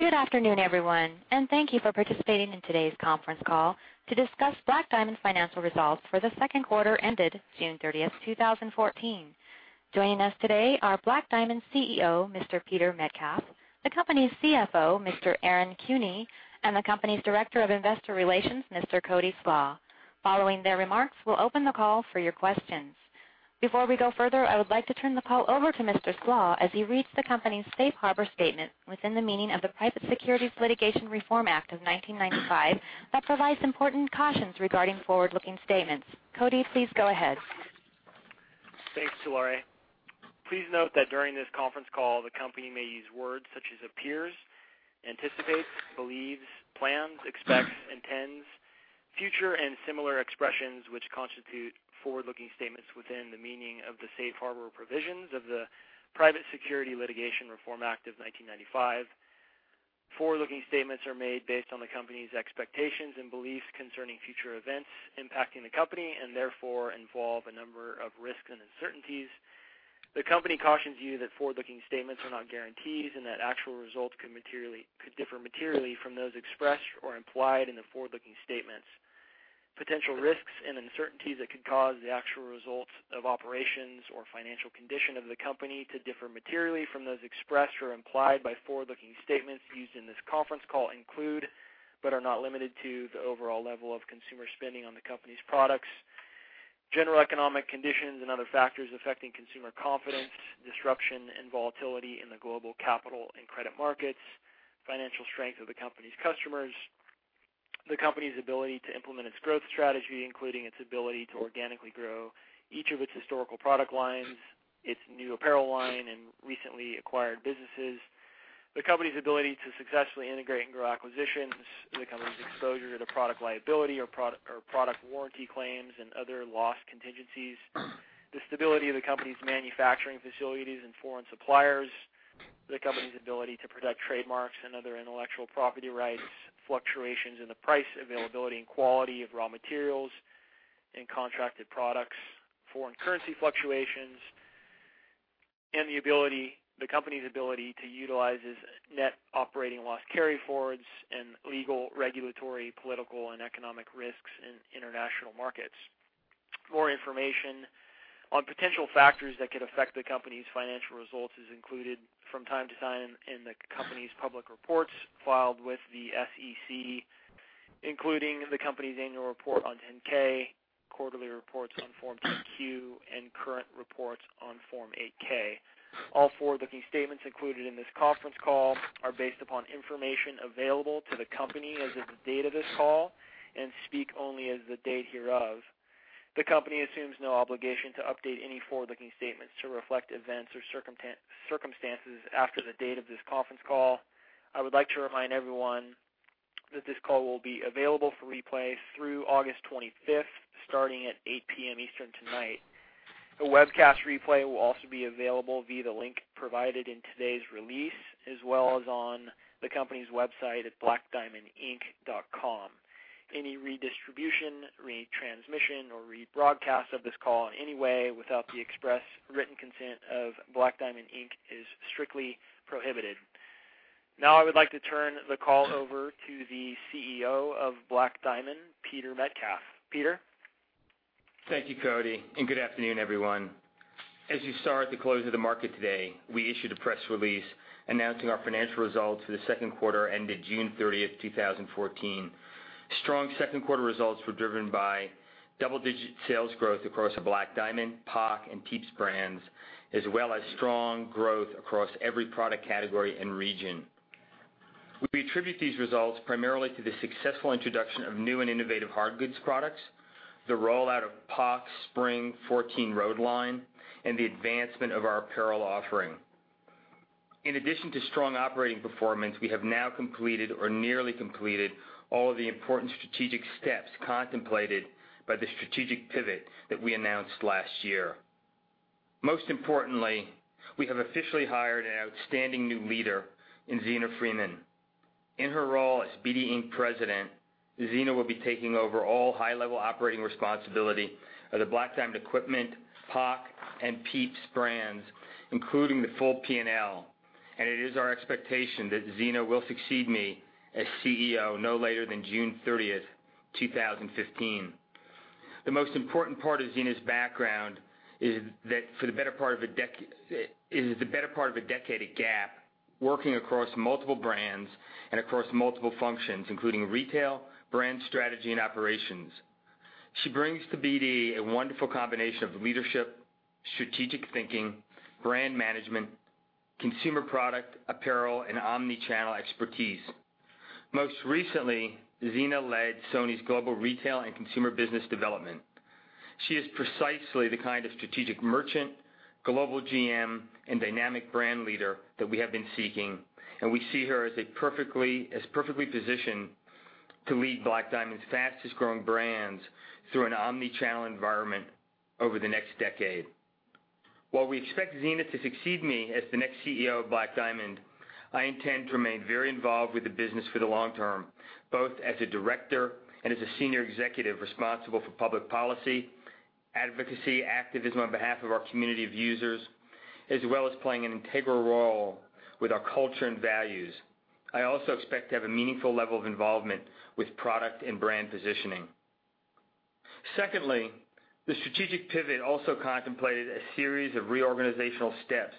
Good afternoon, everyone, and thank you for participating in today's conference call to discuss Black Diamond's financial results for the second quarter ended June 30, 2014. Joining us today are Black Diamond CEO, Mr. Peter Metcalf, the company's CFO, Mr. Aaron Kuehne, and the company's Director of Investor Relations, Mr. Cody Slach. Following their remarks, we'll open the call for your questions. Before we go further, I would like to turn the call over to Mr. Slach as he reads the company's safe harbor statement within the meaning of the Private Securities Litigation Reform Act of 1995, that provides important cautions regarding forward-looking statements. Cody, please go ahead. Thanks, Delore. Please note that during this conference call, the company may use words such as appears, anticipates, believes, plans, expects, intends, future and similar expressions which constitute forward-looking statements within the meaning of the safe harbor provisions of the Private Securities Litigation Reform Act of 1995. Forward-looking statements are made based on the company's expectations and beliefs concerning future events impacting the company and therefore involve a number of risks and uncertainties. The company cautions you that forward-looking statements are not guarantees and that actual results could differ materially from those expressed or implied in the forward-looking statements. Potential risks and uncertainties that could cause the actual results of operations or financial condition of the company to differ materially from those expressed or implied by forward-looking statements used in this conference call include, but are not limited to, the overall level of consumer spending on the company's products, general economic conditions and other factors affecting consumer confidence, disruption and volatility in the global capital and credit markets, financial strength of the company's customers, the company's ability to implement its growth strategy, including its ability to organically grow each of its historical product lines, its new apparel line, and recently acquired businesses. The company's ability to successfully integrate and grow acquisitions, the company's exposure to product liability or product warranty claims and other loss contingencies, the stability of the company's manufacturing facilities and foreign suppliers, the company's ability to protect trademarks and other intellectual property rights, fluctuations in the price, availability, and quality of raw materials and contracted products, foreign currency fluctuations, and the company's ability to utilize its net operating loss carryforwards and legal, regulatory, political, and economic risks in international markets. More information on potential factors that could affect the company's financial results is included from time to time in the company's public reports filed with the SEC, including the company's annual report on 10-K, quarterly reports on Form 10-Q, and current reports on Form 8-K. All forward-looking statements included in this conference call are based upon information available to the company as of the date of this call and speak only as of the date hereof. The company assumes no obligation to update any forward-looking statements to reflect events or circumstances after the date of this conference call. I would like to remind everyone that this call will be available for replay through August 25th, starting at 8:00 P.M. Eastern tonight. A webcast replay will also be available via the link provided in today's release, as well as on the company's website at blackdiamondequipment.com. Any redistribution, retransmission, or rebroadcast of this call in any way without the express written consent of Black Diamond Inc. is strictly prohibited. I would like to turn the call over to the CEO of Black Diamond, Peter Metcalf. Peter? Thank you, Cody, and good afternoon, everyone. As you saw at the close of the market today, we issued a press release announcing our financial results for the second quarter ended June 30th, 2014. Strong second quarter results were driven by double-digit sales growth across the Black Diamond, POC, and Pieps brands, as well as strong growth across every product category and region. We attribute these results primarily to the successful introduction of new and innovative hard goods products, the rollout of POC spring '14 road line, and the advancement of our apparel offering. In addition to strong operating performance, we have now completed or nearly completed all of the important strategic steps contemplated by the strategic pivot that we announced last year. Most importantly, we have officially hired an outstanding new leader in Zeena Freeman. In her role as BD Inc. President, Zeena will be taking over all high-level operating responsibility of the Black Diamond Equipment, POC, and Pieps brands, including the full P&L, and it is our expectation that Zeena will succeed me as CEO no later than June 30th, 2015. The most important part of Zeena's background is the better part of a decade at Gap, working across multiple brands and across multiple functions, including retail, brand strategy, and operations. She brings to BD a wonderful combination of leadership, strategic thinking, brand management, consumer product, apparel, and omnichannel expertise. Most recently, Zeena led Sony's global retail and consumer business development. She is precisely the kind of strategic merchant, global GM, and dynamic brand leader that we have been seeking, and we see her as perfectly positioned to lead Black Diamond's fastest-growing brands through an omnichannel environment over the next decade. While we expect Zeena to succeed me as the next CEO of Black Diamond, I intend to remain very involved with the business for the long term, both as a director and as a senior executive responsible for public policy Advocacy, activism on behalf of our community of users, as well as playing an integral role with our culture and values. I also expect to have a meaningful level of involvement with product and brand positioning. Secondly, the strategic pivot also contemplated a series of reorganizational steps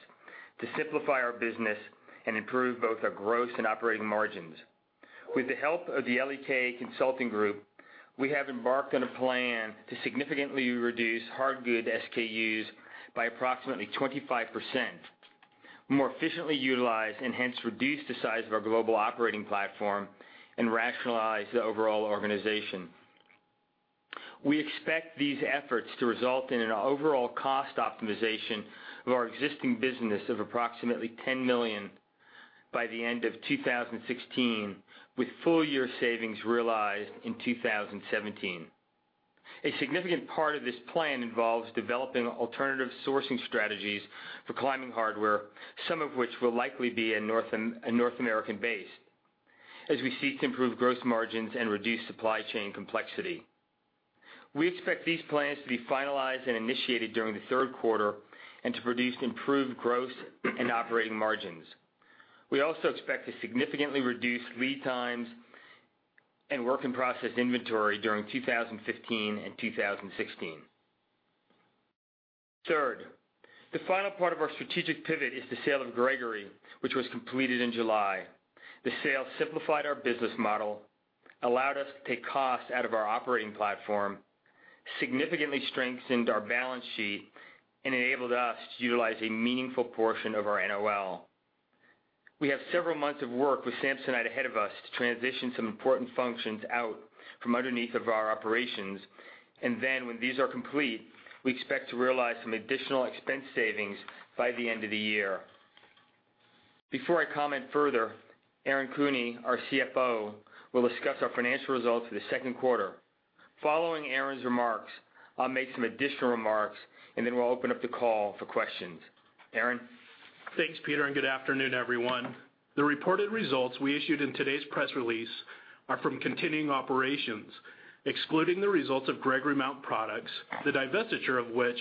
to simplify our business and improve both our gross and operating margins. With the help of the L.E.K. Consulting Group, we have embarked on a plan to significantly reduce hard good SKUs by approximately 25%, more efficiently utilize and hence reduce the size of our global operating platform and rationalize the overall organization. We expect these efforts to result in an overall cost optimization of our existing business of approximately $10 million by the end of 2016, with full year savings realized in 2017. A significant part of this plan involves developing alternative sourcing strategies for climbing hardware, some of which will likely be North American-based, as we seek to improve gross margins and reduce supply chain complexity. We expect these plans to be finalized and initiated during the third quarter and to produce improved gross and operating margins. We also expect to significantly reduce lead times and work-in-process inventory during 2015 and 2016. Third, the final part of our strategic pivot is the sale of Gregory, which was completed in July. The sale simplified our business model, allowed us to take costs out of our operating platform, significantly strengthened our balance sheet, and enabled us to utilize a meaningful portion of our NOL. We have several months of work with Samsonite ahead of us to transition some important functions out from underneath of our operations, and then when these are complete, we expect to realize some additional expense savings by the end of the year. Before I comment further, Aaron Kuehne, our CFO, will discuss our financial results for the second quarter. Following Aaron's remarks, I'll make some additional remarks, and then we'll open up the call for questions. Aaron? Thanks, Peter, and good afternoon, everyone. The reported results we issued in today's press release are from continuing operations, excluding the results of Gregory Mountain Products, the divestiture of which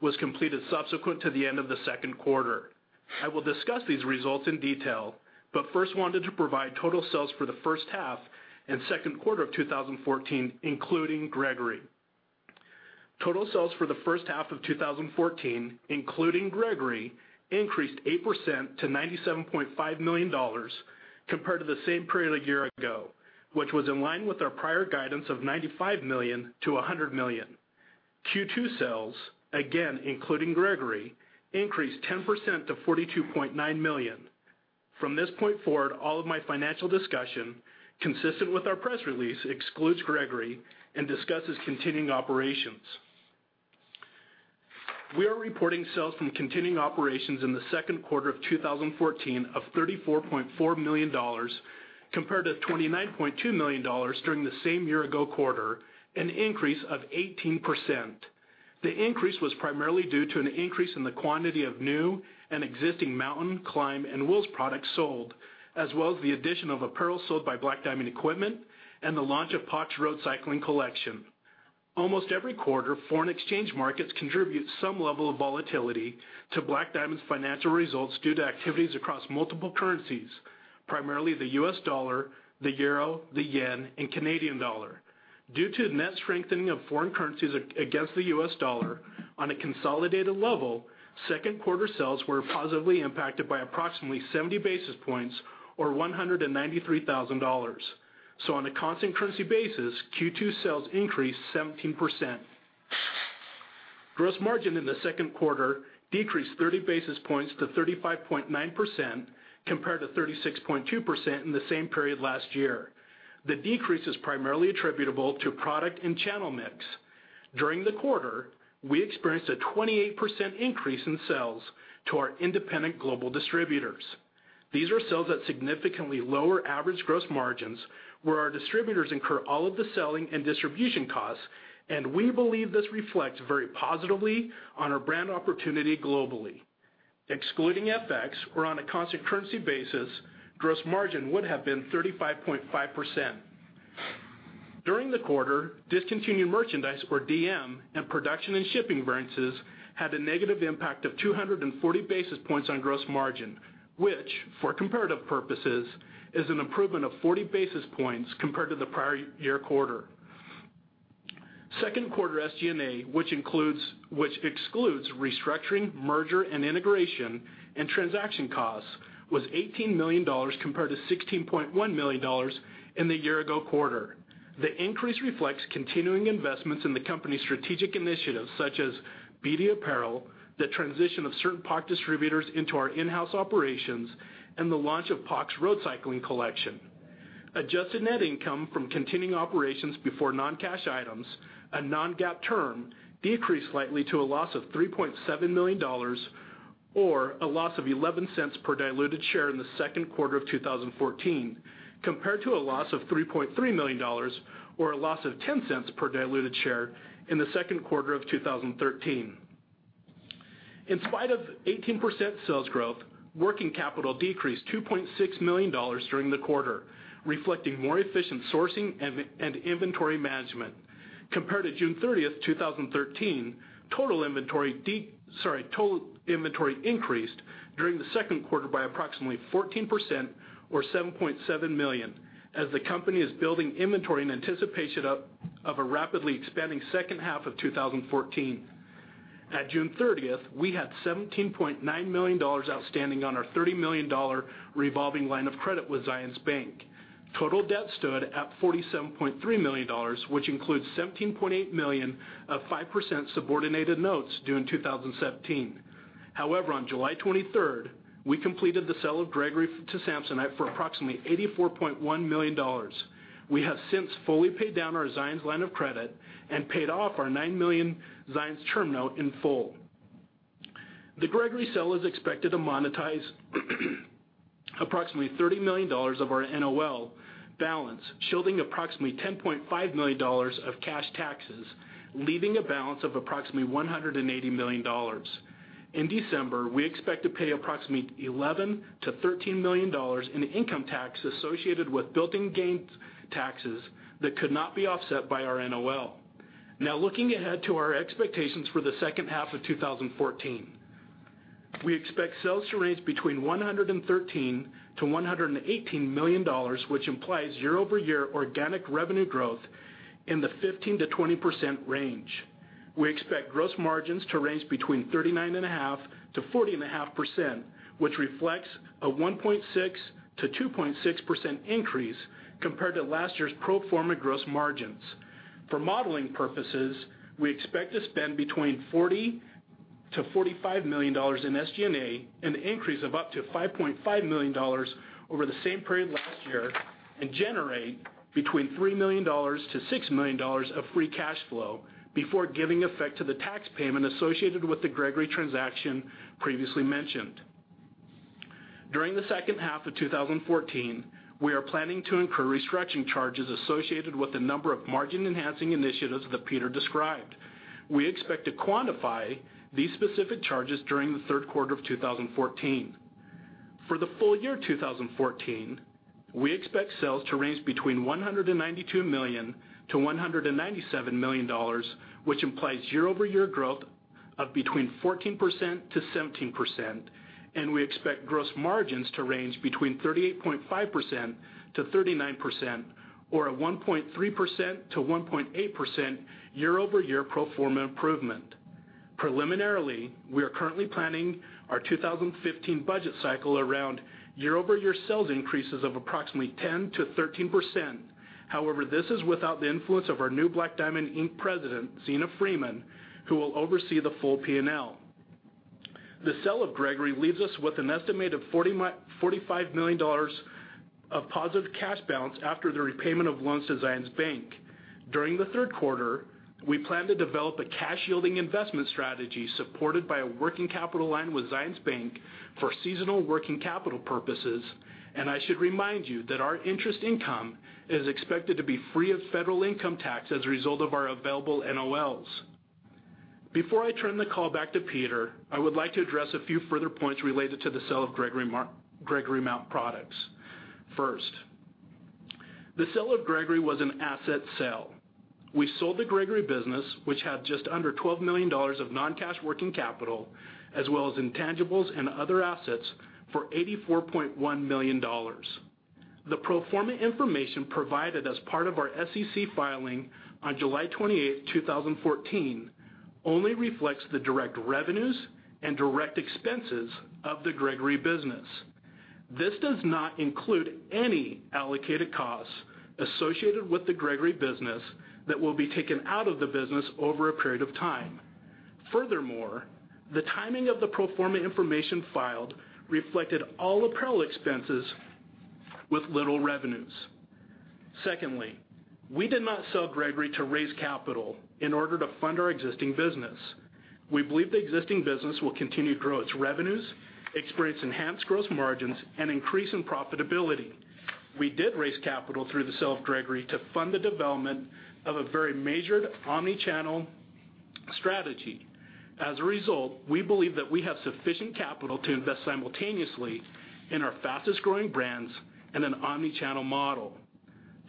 was completed subsequent to the end of the second quarter. I will discuss these results in detail, but first wanted to provide total sales for the first half and second quarter of 2014, including Gregory. Total sales for the first half of 2014, including Gregory, increased 8% to $97.5 million compared to the same period a year ago, which was in line with our prior guidance of $95 million to $100 million. Q2 sales, again, including Gregory, increased 10% to $42.9 million. From this point forward, all of my financial discussion, consistent with our press release, excludes Gregory and discusses continuing operations. We are reporting sales from continuing operations in the second quarter of 2014 of $34.4 million, compared to $29.2 million during the same year-ago quarter, an increase of 18%. The increase was primarily due to an increase in the quantity of new and existing Mountain, Climb, and Wolves products sold, as well as the addition of apparel sold by Black Diamond Equipment and the launch of POC's road cycling collection. Almost every quarter, foreign exchange markets contribute some level of volatility to Black Diamond's financial results due to activities across multiple currencies, primarily the US dollar, the euro, the yen, and Canadian dollar. Due to the net strengthening of foreign currencies against the US dollar on a consolidated level, second quarter sales were positively impacted by approximately 70 basis points or $193,000. On a constant currency basis, Q2 sales increased 17%. Gross margin in the second quarter decreased 30 basis points to 35.9%, compared to 36.2% in the same period last year. The decrease is primarily attributable to product and channel mix. During the quarter, we experienced a 28% increase in sales to our independent global distributors. These are sales at significantly lower average gross margins where our distributors incur all of the selling and distribution costs, and we believe this reflects very positively on our brand opportunity globally. Excluding FX or on a constant currency basis, gross margin would have been 35.5%. During the quarter, discontinued merchandise or DM and production and shipping variances had a negative impact of 240 basis points on gross margin, which for comparative purposes, is an improvement of 40 basis points compared to the prior year quarter. Second quarter SG&A, which excludes restructuring, merger and integration, and transaction costs, was $18 million compared to $16.1 million in the year-ago quarter. The increase reflects continuing investments in the company's strategic initiatives such as BD apparel, the transition of certain POC distributors into our in-house operations, and the launch of POC's road cycling collection. Adjusted net income from continuing operations before non-cash items, a non-GAAP term, decreased slightly to a loss of $3.7 million, or a loss of $0.11 per diluted share in the second quarter of 2014, compared to a loss of $3.3 million, or a loss of $0.10 per diluted share in the second quarter of 2013. In spite of 18% sales growth, working capital decreased $2.6 million during the quarter, reflecting more efficient sourcing and inventory management. Compared to June 30th, 2013, total inventory increased during the second quarter by approximately 14%, or $7.7 million, as the company is building inventory in anticipation of a rapidly expanding second half of 2014. At June 30th, we had $17.9 million outstanding on our $30 million revolving line of credit with Zions Bank. Total debt stood at $47.3 million, which includes $17.8 million of 5% subordinated notes due in 2017. On July 23rd, we completed the sale of Gregory to Samsonite for approximately $84.1 million. We have since fully paid down our Zions line of credit and paid off our $9 million Zions term note in full. The Gregory sale is expected to monetize approximately $30 million of our NOL balance, shielding approximately $10.5 million of cash taxes, leaving a balance of approximately $180 million. In December, we expect to pay approximately $11 to $13 million in income tax associated with built-in gain taxes that could not be offset by our NOL. Looking ahead to our expectations for the second half of 2014. We expect sales to range between $113 to $118 million, which implies year-over-year organic revenue growth in the 15%-20% range. We expect gross margins to range between 39.5%-40.5%, which reflects a 1.6%-2.6% increase compared to last year's pro forma gross margins. For modeling purposes, we expect to spend between $40 to $45 million in SG&A, an increase of up to $5.5 million over the same period last year, and generate between $3 million to $6 million of free cash flow before giving effect to the tax payment associated with the Gregory transaction previously mentioned. During the second half of 2014, we are planning to incur restructuring charges associated with the number of margin-enhancing initiatives that Peter described. We expect to quantify these specific charges during the third quarter of 2014. For the full year 2014, we expect sales to range between $192 million-$197 million, which implies year-over-year growth of between 14%-17%, and we expect gross margins to range between 38.5%-39%, or a 1.3%-1.8% year-over-year pro forma improvement. Preliminarily, we are currently planning our 2015 budget cycle around year-over-year sales increases of approximately 10%-13%. However, this is without the influence of our new Black Diamond, Inc. President, Zeena Freeman, who will oversee the full P&L. The sale of Gregory leaves us with an estimated $45 million of positive cash balance after the repayment of loans to Zions Bank. During the third quarter, we plan to develop a cash-yielding investment strategy supported by a working capital line with Zions Bank for seasonal working capital purposes. I should remind you that our interest income is expected to be free of federal income tax as a result of our available NOLs. Before I turn the call back to Peter, I would like to address a few further points related to the sale of Gregory Mountain Products. First, the sale of Gregory was an asset sale. We sold the Gregory business, which had just under $12 million of non-cash working capital, as well as intangibles and other assets for $84.1 million. The pro forma information provided as part of our SEC filing on July 28th, 2014, only reflects the direct revenues and direct expenses of the Gregory business. This does not include any allocated costs associated with the Gregory business that will be taken out of the business over a period of time. Furthermore, the timing of the pro forma information filed reflected all apparel expenses with little revenues. Secondly, we did not sell Gregory to raise capital in order to fund our existing business. We believe the existing business will continue to grow its revenues, experience enhanced gross margins, and increase in profitability. We did raise capital through the sale of Gregory to fund the development of a very measured omni-channel strategy. As a result, we believe that we have sufficient capital to invest simultaneously in our fastest-growing brands in an omni-channel model.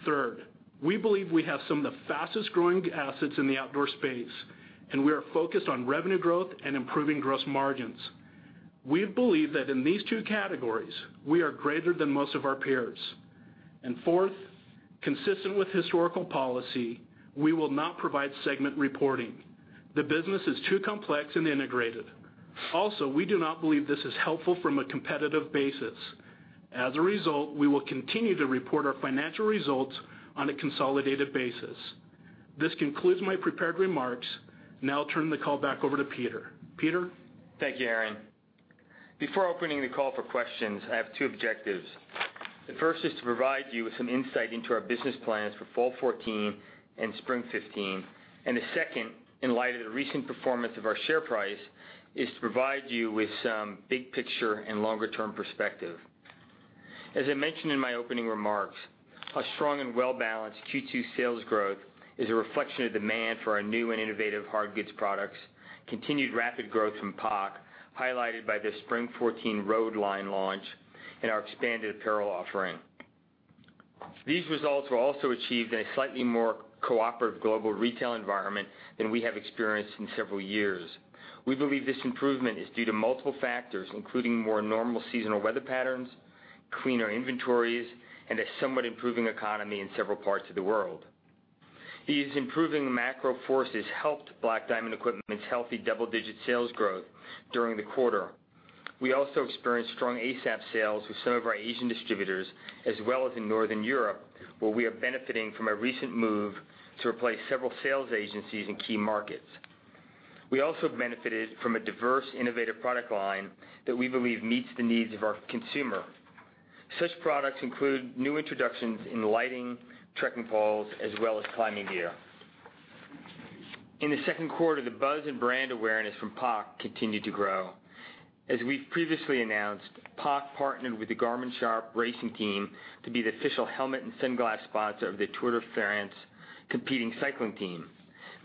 Third, we believe we have some of the fastest-growing assets in the outdoor space. We are focused on revenue growth and improving gross margins. We believe that in these two categories, we are greater than most of our peers. Fourth, consistent with historical policy, we will not provide segment reporting. The business is too complex and integrated. Also, we do not believe this is helpful from a competitive basis. As a result, we will continue to report our financial results on a consolidated basis. This concludes my prepared remarks. Now I'll turn the call back over to Peter. Peter? Thank you, Aaron. Before opening the call for questions, I have two objectives. The first is to provide you with some insight into our business plans for fall 2014 and spring 2015, and the second, in light of the recent performance of our share price, is to provide you with some big-picture and longer-term perspective. As I mentioned in my opening remarks, our strong and well-balanced Q2 sales growth is a reflection of demand for our new and innovative hard goods products, continued rapid growth from POC, highlighted by the Spring 2014 Road line launch and our expanded apparel offering. These results were also achieved in a slightly more cooperative global retail environment than we have experienced in several years. We believe this improvement is due to multiple factors, including more normal seasonal weather patterns, cleaner inventories, and a somewhat improving economy in several parts of the world. These improving macro forces helped Black Diamond Equipment's healthy double-digit sales growth during the quarter. We also experienced strong ASAP sales with some of our Asian distributors, as well as in Northern Europe, where we are benefiting from a recent move to replace several sales agencies in key markets. We also have benefited from a diverse, innovative product line that we believe meets the needs of our consumer. Such products include new introductions in lighting, trekking poles, as well as climbing gear. In the second quarter, the buzz and brand awareness from POC continued to grow. As we've previously announced, POC partnered with the Team Garmin-Sharp to be the official helmet and sunglass sponsor of the Tour de France competing cycling team.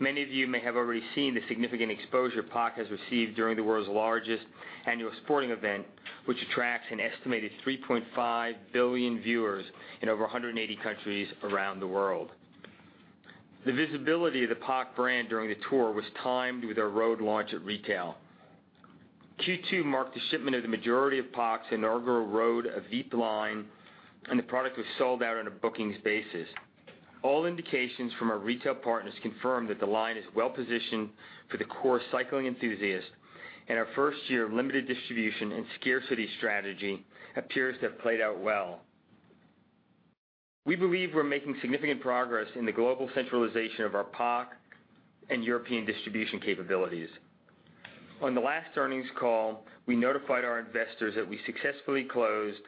Many of you may have already seen the significant exposure POC has received during the world's largest annual sporting event, which attracts an estimated 3.5 billion viewers in over 180 countries around the world. The visibility of the POC brand during the tour was timed with our Road launch at retail. Q2 marked the shipment of the majority of POC's inaugural Road AVIP line, and the product was sold out on a bookings basis. All indications from our retail partners confirm that the line is well-positioned for the core cycling enthusiast, and our first year of limited distribution and scarcity strategy appears to have played out well. We believe we're making significant progress in the global centralization of our POC and European distribution capabilities. On the last earnings call, we notified our investors that we successfully closed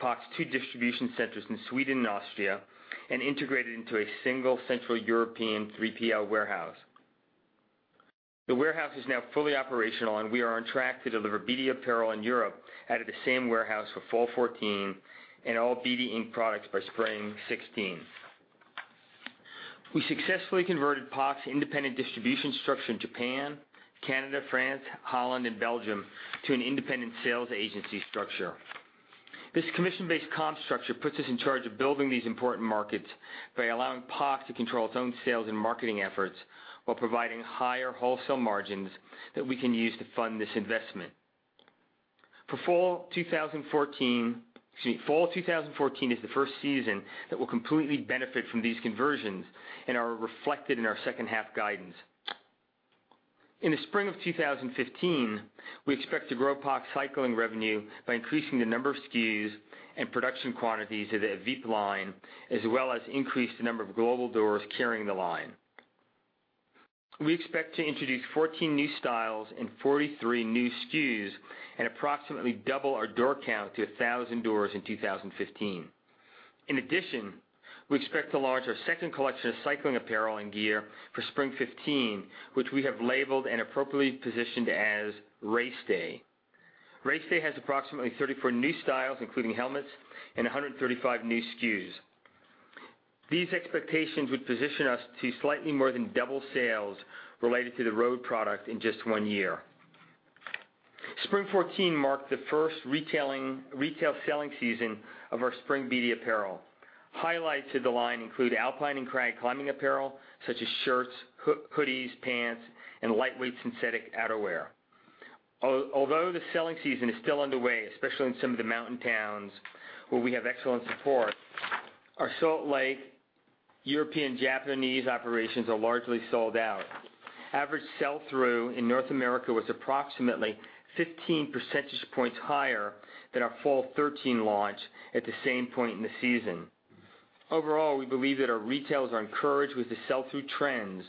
POC's two distribution centers in Sweden and Austria and integrated into a single central European 3PL warehouse. The warehouse is now fully operational, and we are on track to deliver BD apparel in Europe out of the same warehouse for Fall 2014 and all BD Inc. products by Spring 2016. We successfully converted POC's independent distribution structure in Japan, Canada, France, Holland, and Belgium to an independent sales agency structure. This commission-based comp structure puts us in charge of building these important markets by allowing POC to control its own sales and marketing efforts while providing higher wholesale margins that we can use to fund this investment. Fall 2014 is the first season that will completely benefit from these conversions and are reflected in our second half guidance. In the spring of 2015, we expect to grow POC cycling revenue by increasing the number of SKUs and production quantities of the AVIP line, as well as increase the number of global doors carrying the line. We expect to introduce 14 new styles and 43 new SKUs and approximately double our door count to 1,000 doors in 2015. In addition, we expect to launch our second collection of cycling apparel and gear for Spring 2015, which we have labeled and appropriately positioned as Race Day. Race Day has approximately 34 new styles, including helmets, and 135 new SKUs. These expectations would position us to slightly more than double sales related to the Road product in just one year. Spring 2014 marked the first retail selling season of our Spring BD apparel. Highlights of the line include alpine and crag climbing apparel such as shirts, hoodies, pants, and lightweight synthetic outerwear. Although the selling season is still underway, especially in some of the mountain towns where we have excellent support, our Salt Lake, European, Japanese operations are largely sold out. Average sell-through in North America was approximately 15 percentage points higher than our Fall 2013 launch at the same point in the season. Overall, we believe that our retailers are encouraged with the sell-through trends,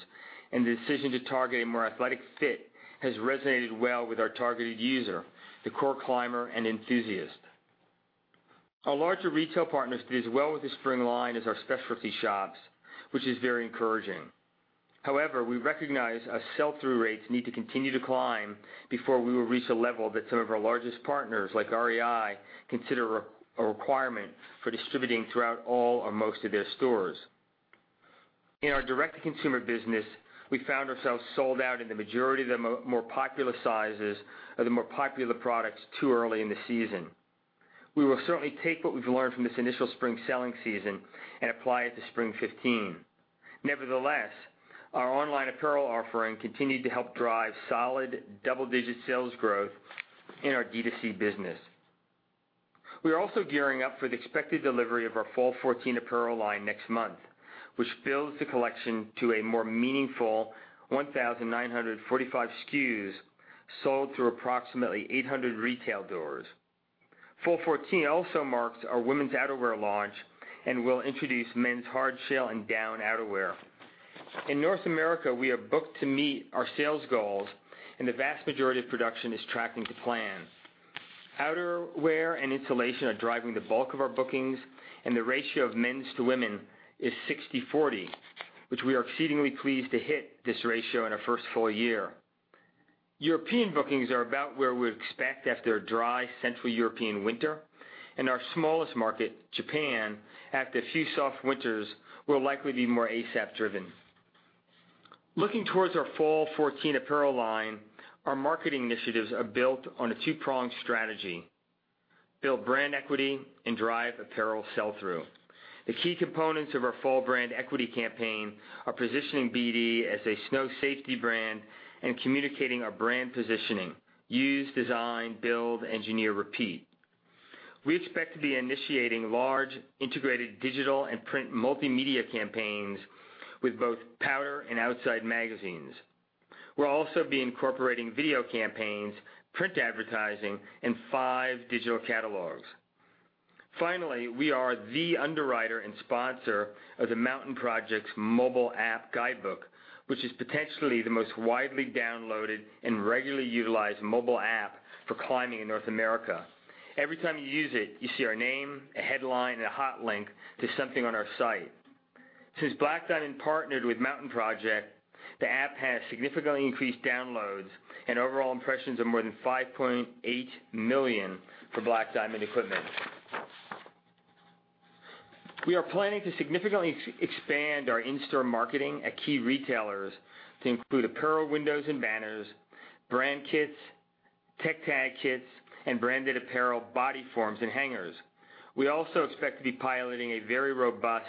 and the decision to target a more athletic fit has resonated well with our targeted user, the core climber, and enthusiast. Our larger retail partners did as well with the spring line as our specialty shops, which is very encouraging. We recognize our sell-through rates need to continue to climb before we will reach a level that some of our largest partners, like REI, consider a requirement for distributing throughout all or most of their stores. In our direct-to-consumer business, we found ourselves sold out in the majority of the more popular sizes of the more popular products too early in the season. We will certainly take what we've learned from this initial spring selling season and apply it to Spring 2015. Nevertheless, our online apparel offering continued to help drive solid double-digit sales growth in our D2C business. We are also gearing up for the expected delivery of our Fall 2014 apparel line next month, which fills the collection to a more meaningful 1,945 SKUs sold through approximately 800 retail doors. Fall 2014 also marks our women's outerwear launch and will introduce men's hardshell and down outerwear. In North America, we are booked to meet our sales goals, and the vast majority of production is tracking to plan. Outerwear and insulation are driving the bulk of our bookings, and the ratio of men's to women is 60/40, which we are exceedingly pleased to hit this ratio in our first full year. European bookings are about where we expect after a dry Central European winter, and our smallest market, Japan, after a few soft winters, will likely be more ASAP driven. Looking towards our Fall 2014 apparel line, our marketing initiatives are built on a two-pronged strategy. Build brand equity and drive apparel sell-through. The key components of our fall brand equity campaign are positioning BD as a snow safety brand and communicating our brand positioning, use, design, build, engineer, repeat. We expect to be initiating large integrated digital and print multimedia campaigns with both Powder and Outside magazines. We will also be incorporating video campaigns, print advertising, and five digital catalogs. Finally, we are the underwriter and sponsor of the Mountain Project's mobile app guidebook, which is potentially the most widely downloaded and regularly utilized mobile app for climbing in North America. Every time you use it, you see our name, a headline, a hot link to something on our site. Since Black Diamond partnered with Mountain Project, the app has significantly increased downloads, and overall impressions are more than 5.8 million for Black Diamond Equipment. We are planning to significantly expand our in-store marketing at key retailers to include apparel windows and banners, brand kits, tech tag kits, and branded apparel body forms and hangers. We also expect to be piloting a very robust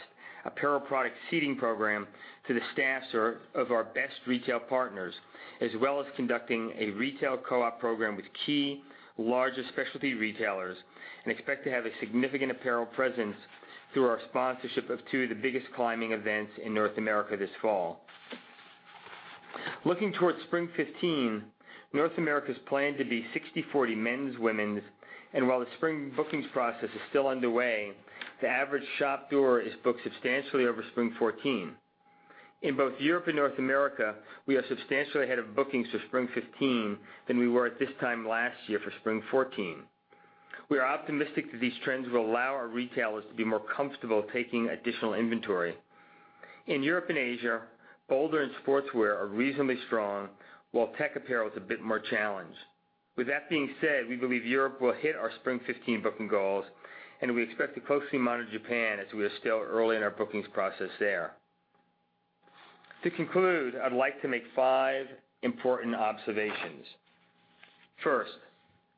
apparel product seeding program to the staffs of our best retail partners, as well as conducting a retail co-op program with key larger specialty retailers, and expect to have a significant apparel presence through our sponsorship of two of the biggest climbing events in North America this fall. Looking towards spring 2015, North America's plan to be 60/40 men's, women's, and while the spring bookings process is still underway, the average shop door is booked substantially over spring 2014. In both Europe and North America, we are substantially ahead of bookings for spring 2015 than we were at this time last year for spring 2014. We are optimistic that these trends will allow our retailers to be more comfortable taking additional inventory. In Europe and Asia, Boulder and Sportswear are reasonably strong, while Tech Apparel is a bit more challenged. With that being said, we believe Europe will hit our spring 2015 booking goals, and we expect to closely monitor Japan as we are still early in our bookings process there. To conclude, I would like to make five important observations.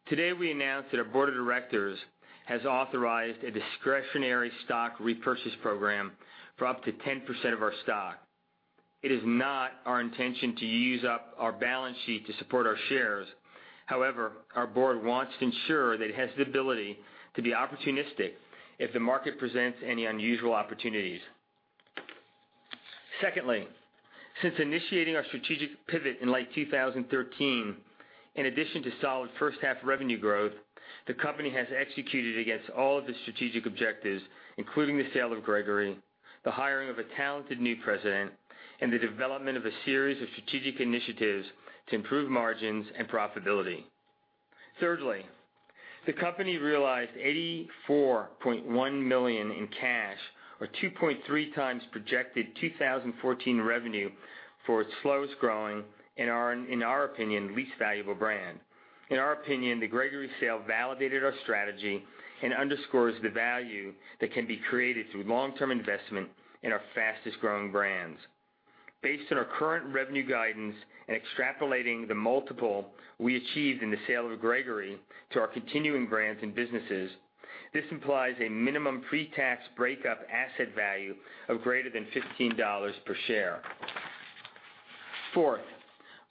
Today we announced that our board of directors has authorized a discretionary stock repurchase program for up to 10% of our stock. It is not our intention to use up our balance sheet to support our shares. However, our board wants to ensure that it has the ability to be opportunistic if the market presents any unusual opportunities. Since initiating our strategic pivot in late 2013, in addition to solid first-half revenue growth, the company has executed against all of the strategic objectives, including the sale of Gregory, the hiring of a talented new president, and the development of a series of strategic initiatives to improve margins and profitability. The company realized $84.1 million in cash, or 2.3 times projected 2014 revenue for its slowest-growing, and in our opinion, least valuable brand. In our opinion, the Gregory sale validated our strategy and underscores the value that can be created through long-term investment in our fastest-growing brands. Based on our current revenue guidance and extrapolating the multiple we achieved in the sale of Gregory to our continuing brands and businesses, this implies a minimum pre-tax breakup asset value of greater than $15 per share. Fourth,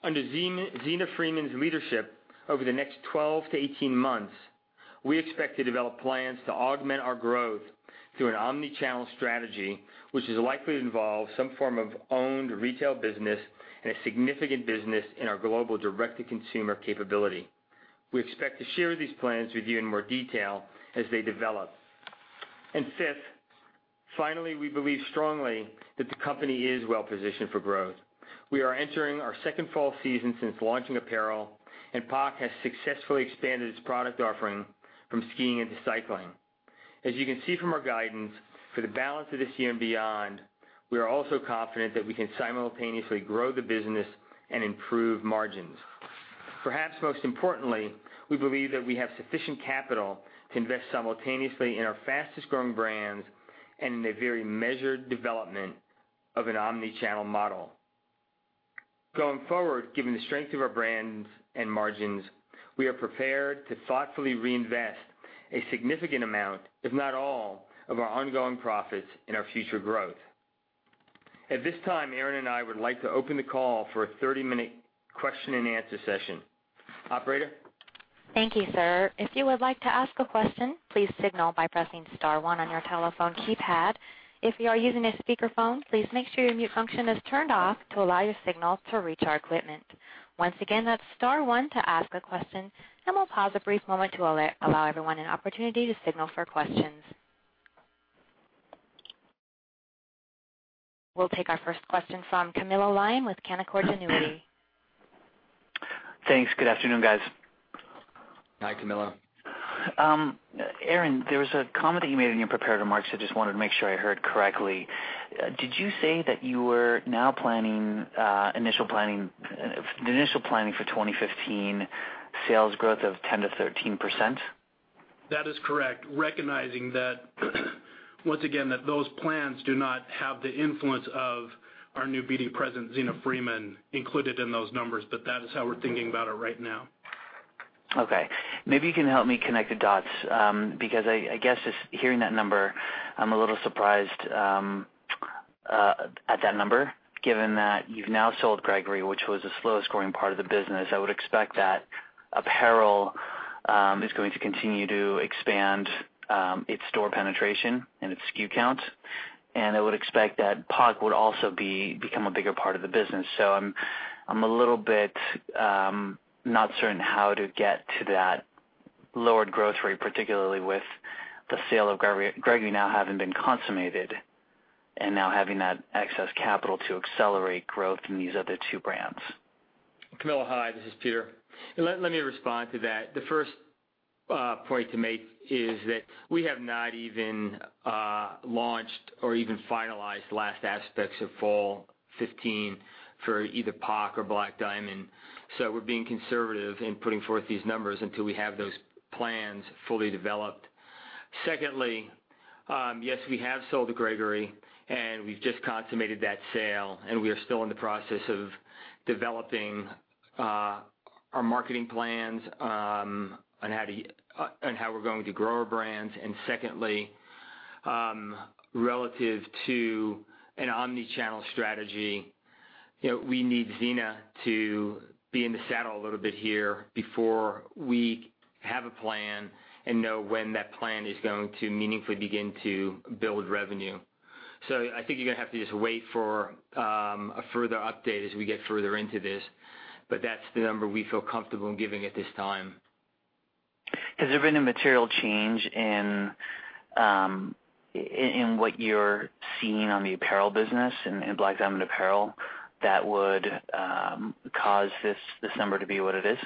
under Zeena Freeman's leadership over the next 12-18 months, we expect to develop plans to augment our growth through an omni-channel strategy, which is likely to involve some form of owned retail business and a significant business in our global direct-to-consumer capability. We expect to share these plans with you in more detail as they develop. Fifth, finally, we believe strongly that the company is well-positioned for growth. We are entering our second fall season since launching apparel, and POC has successfully expanded its product offering from skiing into cycling. As you can see from our guidance, for the balance of this year and beyond, we are also confident that we can simultaneously grow the business and improve margins. Perhaps most importantly, we believe that we have sufficient capital to invest simultaneously in our fastest-growing brands and in the very measured development of an omni-channel model. Going forward, given the strength of our brands and margins, we are prepared to thoughtfully reinvest a significant amount, if not all, of our ongoing profits in our future growth. At this time, Aaron and I would like to open the call for a 30-minute question-and-answer session. Operator? Thank you, sir. If you would like to ask a question, please signal by pressing star one on your telephone keypad. If you are using a speakerphone, please make sure your mute function is turned off to allow your signal to reach our equipment. Once again, that's star one to ask a question, and we'll pause a brief moment to allow everyone an opportunity to signal for questions. We'll take our first question from Camilo Lyon with Canaccord Genuity. Thanks. Good afternoon, guys Hi, Camilo. Aaron, there was a comment that you made in your prepared remarks. I just wanted to make sure I heard correctly. Did you say that you were now planning the initial planning for 2015 sales growth of 10%-13%? That is correct. Recognizing that once again, those plans do not have the influence of our new BD President, Zeena Freeman, included in those numbers. That is how we're thinking about it right now. Okay. Maybe you can help me connect the dots, because I guess just hearing that number, I'm a little surprised at that number, given that you've now sold Gregory, which was the slowest growing part of the business. I would expect that apparel is going to continue to expand its store penetration and its SKU count. I would expect that POC would also become a bigger part of the business. I'm a little bit not certain how to get to that lowered growth rate, particularly with the sale of Gregory now having been consummated, and now having that excess capital to accelerate growth in these other two brands. Camilo, hi, this is Peter. Let me respond to that. The first point to make is that we have not even launched or even finalized last aspects of fall 2015 for either POC or Black Diamond. We're being conservative in putting forth these numbers until we have those plans fully developed. Secondly, yes, we have sold to Gregory and we've just consummated that sale. We are still in the process of developing our marketing plans on how we're going to grow our brands. Secondly, relative to an omni-channel strategy, we need Zeena to be in the saddle a little bit here before we have a plan and know when that plan is going to meaningfully begin to build revenue. I think you're going to have to just wait for a further update as we get further into this, but that's the number we feel comfortable in giving at this time. Has there been a material change in what you're seeing on the apparel business, in Black Diamond apparel, that would cause this number to be what it is?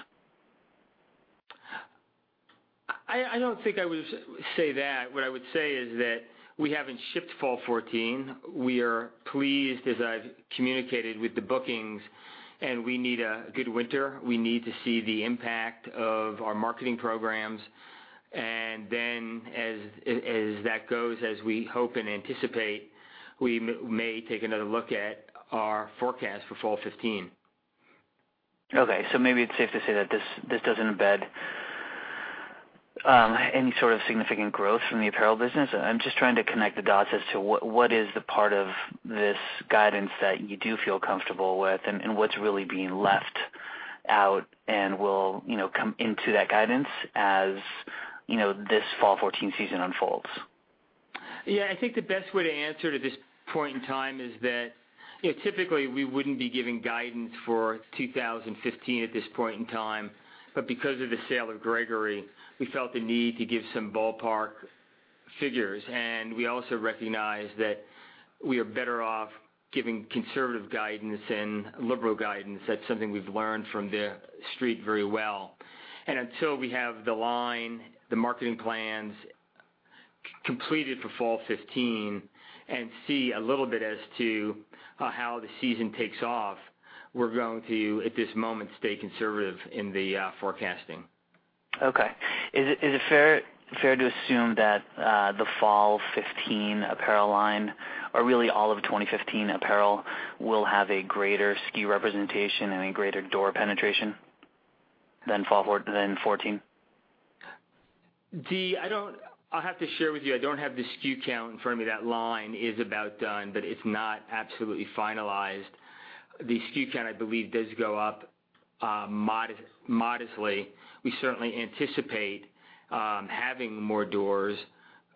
I don't think I would say that. What I would say is that we haven't shipped fall 2014. We are pleased, as I've communicated with the bookings, and we need a good winter. We need to see the impact of our marketing programs, and then as that goes, as we hope and anticipate, we may take another look at our forecast for fall 2015. Okay. Maybe it's safe to say that this doesn't embed any sort of significant growth from the apparel business. I'm just trying to connect the dots as to what is the part of this guidance that you do feel comfortable with and what's really being left out and will come into that guidance as this fall 2014 season unfolds. I think the best way to answer to this point in time is that typically we wouldn't be giving guidance for 2015 at this point in time. Because of the sale of Gregory, we felt the need to give some ballpark figures. We also recognize that we are better off giving conservative guidance than liberal guidance. That's something we've learned from the Street very well. Until we have the line, the marketing plans completed for fall 2015 and see a little bit as to how the season takes off, we're going to at this moment stay conservative in the forecasting. Okay. Is it fair to assume that the fall 2015 apparel line or really all of 2015 apparel will have a greater SKU representation and a greater door penetration than 2014? I'll have to share with you, I don't have the SKU count in front of me. That line is about done, but it's not absolutely finalized. The SKU count, I believe, does go up modestly. We certainly anticipate having more doors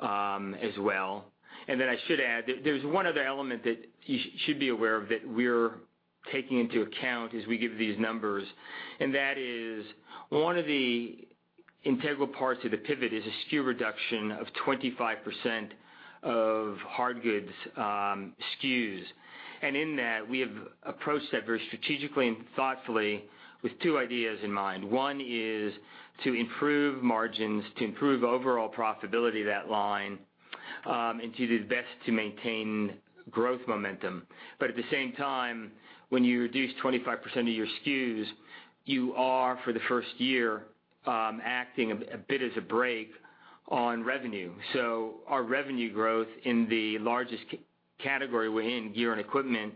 as well. Then I should add, there's one other element that you should be aware of that we're taking into account as we give these numbers, and that is one of the integral parts of the pivot is a SKU reduction of 25% of hard goods SKUs. In that, we have approached that very strategically and thoughtfully with two ideas in mind. One is to improve margins, to improve overall profitability of that line, and to do the best to maintain growth momentum. At the same time, when you reduce 25% of your SKUs, you are, for the first year, acting a bit as a break on revenue. Our revenue growth in the largest category within gear and equipment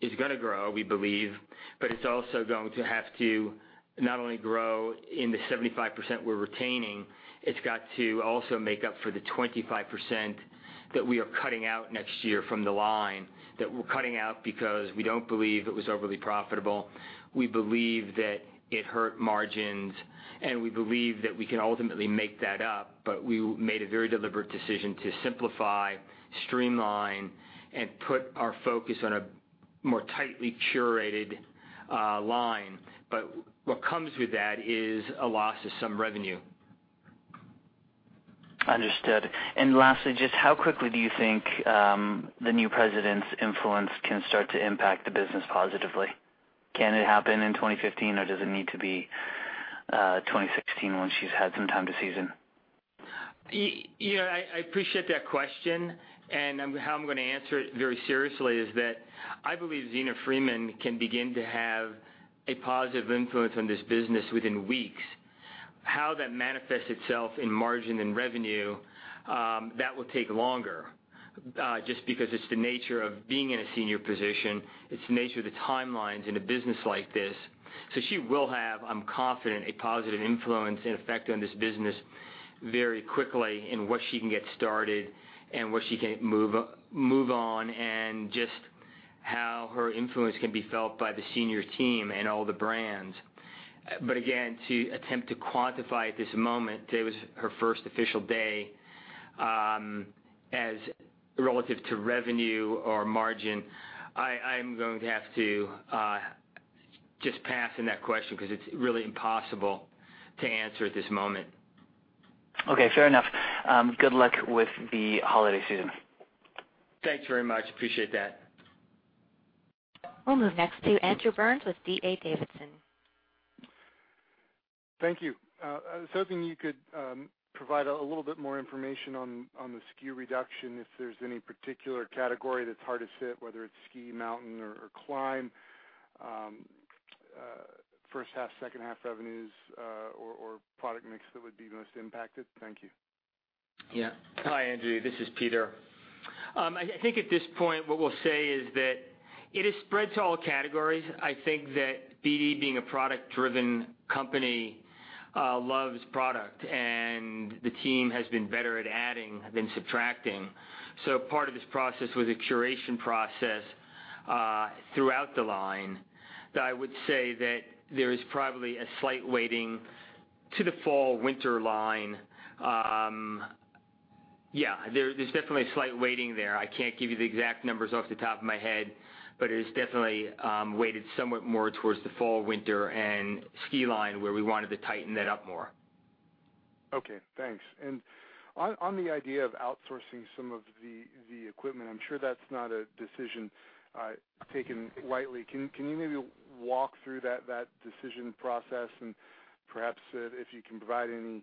is going to grow, we believe, but it's also going to have to not only grow in the 75% we're retaining, it's got to also make up for the 25% that we are cutting out next year from the line. That we're cutting out because we don't believe it was overly profitable. We believe that it hurt margins, and we believe that we can ultimately make that up. We made a very deliberate decision to simplify, streamline, and put our focus on a more tightly curated line. What comes with that is a loss of some revenue. Lastly, just how quickly do you think the new president's influence can start to impact the business positively? Can it happen in 2015 or does it need to be 2016 once she's had some time to season? I appreciate that question. How I'm going to answer it very seriously is that I believe Zeena Freeman can begin to have a positive influence on this business within weeks. How that manifests itself in margin and revenue, that will take longer, just because it's the nature of being in a senior position. It's the nature of the timelines in a business like this. She will have, I'm confident, a positive influence and effect on this business very quickly in what she can get started and what she can move on and just how her influence can be felt by the senior team and all the brands. Again, to attempt to quantify at this moment, today was her first official day. As relative to revenue or margin, I'm going to have to just pass on that question because it's really impossible to answer at this moment. Okay, fair enough. Good luck with the holiday season. Thanks very much. Appreciate that. We'll move next to Andrew Burns with D.A. Davidson. Thank you. I was hoping you could provide a little bit more information on the SKU reduction, if there's any particular category that's hard to fit, whether it's ski, mountain, or climb. First half, second half revenues, or product mix that would be most impacted. Thank you. Yeah. Hi, Andrew. This is Peter. I think at this point, what we'll say is that it is spread to all categories. I think that BD being a product-driven company loves product. The team has been better at adding than subtracting. Part of this process was a curation process throughout the line, that I would say that there is probably a slight weighting to the fall/winter line. Yeah, there's definitely a slight weighting there. I can't give you the exact numbers off the top of my head, but it is definitely weighted somewhat more towards the fall/winter and ski line where we wanted to tighten that up more. Okay, thanks. On the idea of outsourcing some of the equipment, I'm sure that's not a decision taken lightly. Can you maybe walk through that decision process and perhaps if you can provide any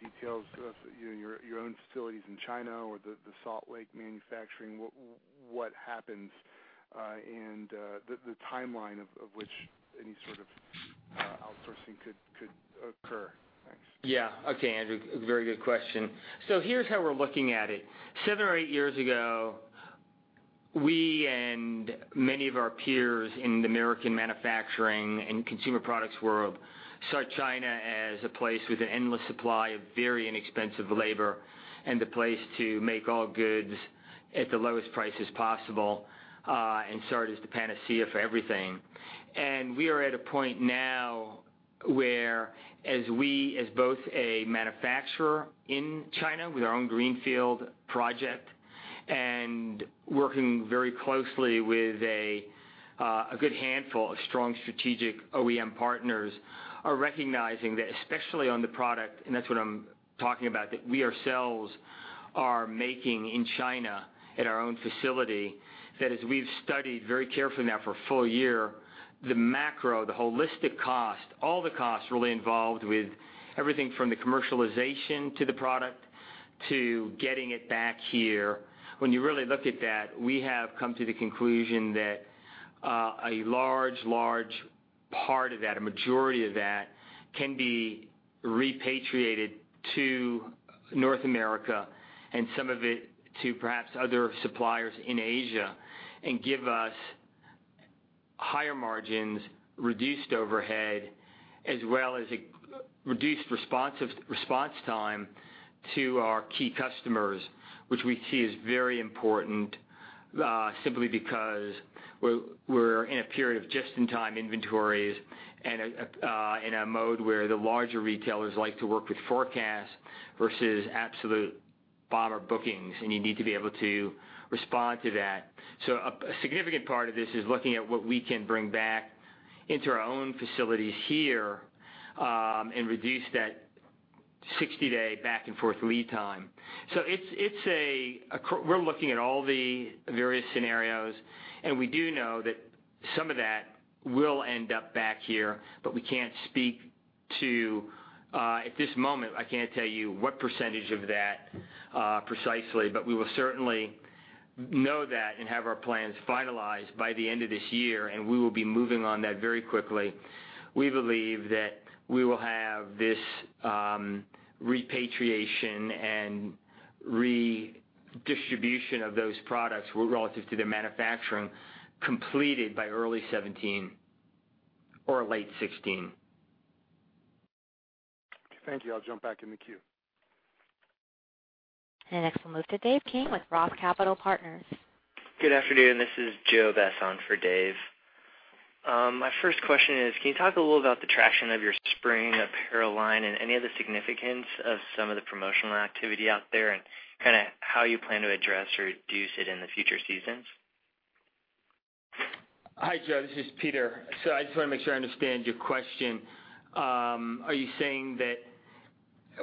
details to us, your own facilities in China or the Salt Lake manufacturing, what happens, and the timeline of which any sort of outsourcing could occur? Thanks. Yeah. Okay, Andrew, very good question. Here's how we're looking at it. Seven or eight years ago, we and many of our peers in the American manufacturing and consumer products world saw China as a place with an endless supply of very inexpensive labor and the place to make all goods at the lowest prices possible, and saw it as the panacea for everything. We are at a point now where as we, as both a manufacturer in China with our own greenfield project and working very closely with a good handful of strong strategic OEM partners, are recognizing that, especially on the product, and that's what I'm talking about, that we ourselves are making in China at our own facility. As we've studied very carefully now for a full year, the macro, the holistic cost, all the costs really involved with everything from the commercialization to the product to getting it back here. When you really look at that, we have come to the conclusion that a large part of that, a majority of that, can be repatriated to North America and some of it to perhaps other suppliers in Asia and give us higher margins, reduced overhead, as well as a reduced response time to our key customers, which we see is very important, simply because we're in a period of just-in-time inventories and in a mode where the larger retailers like to work with forecasts versus absolute bomber bookings, and you need to be able to respond to that. A significant part of this is looking at what we can bring back into our own facilities here, and reduce that 60-day back-and-forth lead time. We're looking at all the various scenarios, we do know that some of that will end up back here, but we can't speak to. At this moment, I can't tell you what percentage of that precisely, but we will certainly know that and have our plans finalized by the end of this year, we will be moving on that very quickly. We believe that we will have this repatriation and redistribution of those products relative to their manufacturing completed by early 2017 or late 2016. Thank you. I'll jump back in the queue. Next we'll move to Dave King with Roth Capital Partners. Good afternoon. This is Joe Bess on for Dave. My first question is, can you talk a little about the traction of your spring apparel line and any of the significance of some of the promotional activity out there, and how you plan to address or reduce it in the future seasons? Hi, Joe. This is Peter. I just want to make sure I understand your question. Are you saying that,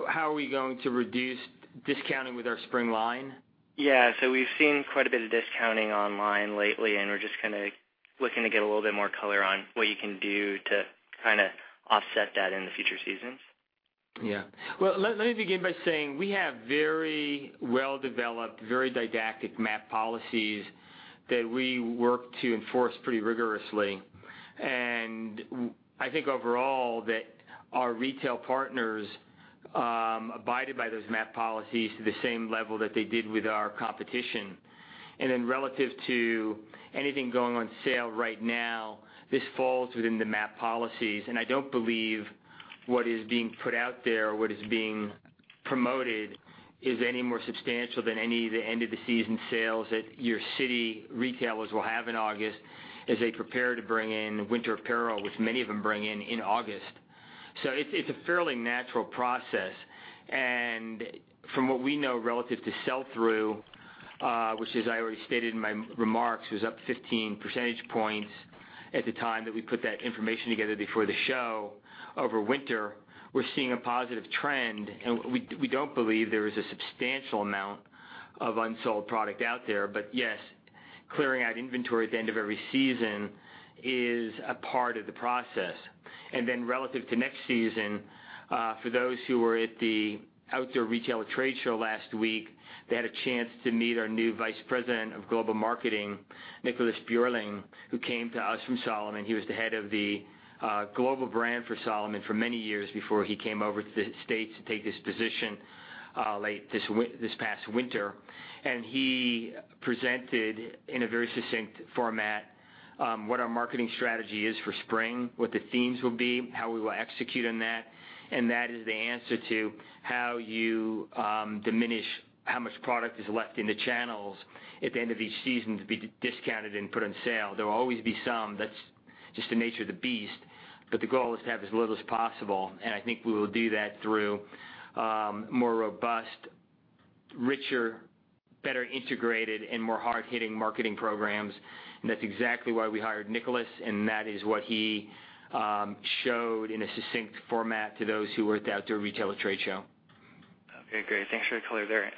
how are we going to reduce discounting with our spring line? Yeah. We've seen quite a bit of discounting online lately, and we're just looking to get a little bit more color on what you can do to kind of offset that in the future seasons. Well, let me begin by saying, we have very well-developed, very didactic MAP policies that we work to enforce pretty rigorously. I think overall, that our retail partners abided by those MAP policies to the same level that they did with our competition. Relative to anything going on sale right now, this falls within the MAP policies. I don't believe what is being put out there, what is being promoted, is any more substantial than any of the end-of-the-season sales that your city retailers will have in August as they prepare to bring in winter apparel, which many of them bring in in August. It's a fairly natural process. From what we know relative to sell-through, which as I already stated in my remarks, was up 15 percentage points at the time that we put that information together before the show. Over winter, we're seeing a positive trend. We don't believe there is a substantial amount of unsold product out there. Yes, clearing out inventory at the end of every season is a part of the process. Relative to next season, for those who were at the Outdoor Retailer trade show last week, they had a chance to meet our new Vice President of Global Marketing, Niklas Buehren, who came to us from Salomon. He was the head of the global brand for Salomon for many years before he came over to the States to take this position late this past winter. He presented, in a very succinct format, what our marketing strategy is for spring, what the themes will be, how we will execute on that, and that is the answer to how you diminish how much product is left in the channels at the end of each season to be discounted and put on sale. There will always be some. That's just the nature of the beast. The goal is to have as little as possible, and I think we will do that through more robust, richer, better integrated, and more hard-hitting marketing programs. That's exactly why we hired Niklas, and that is what he showed in a succinct format to those who were at the Outdoor Retailer trade show. Okay, great. Thanks for the color there.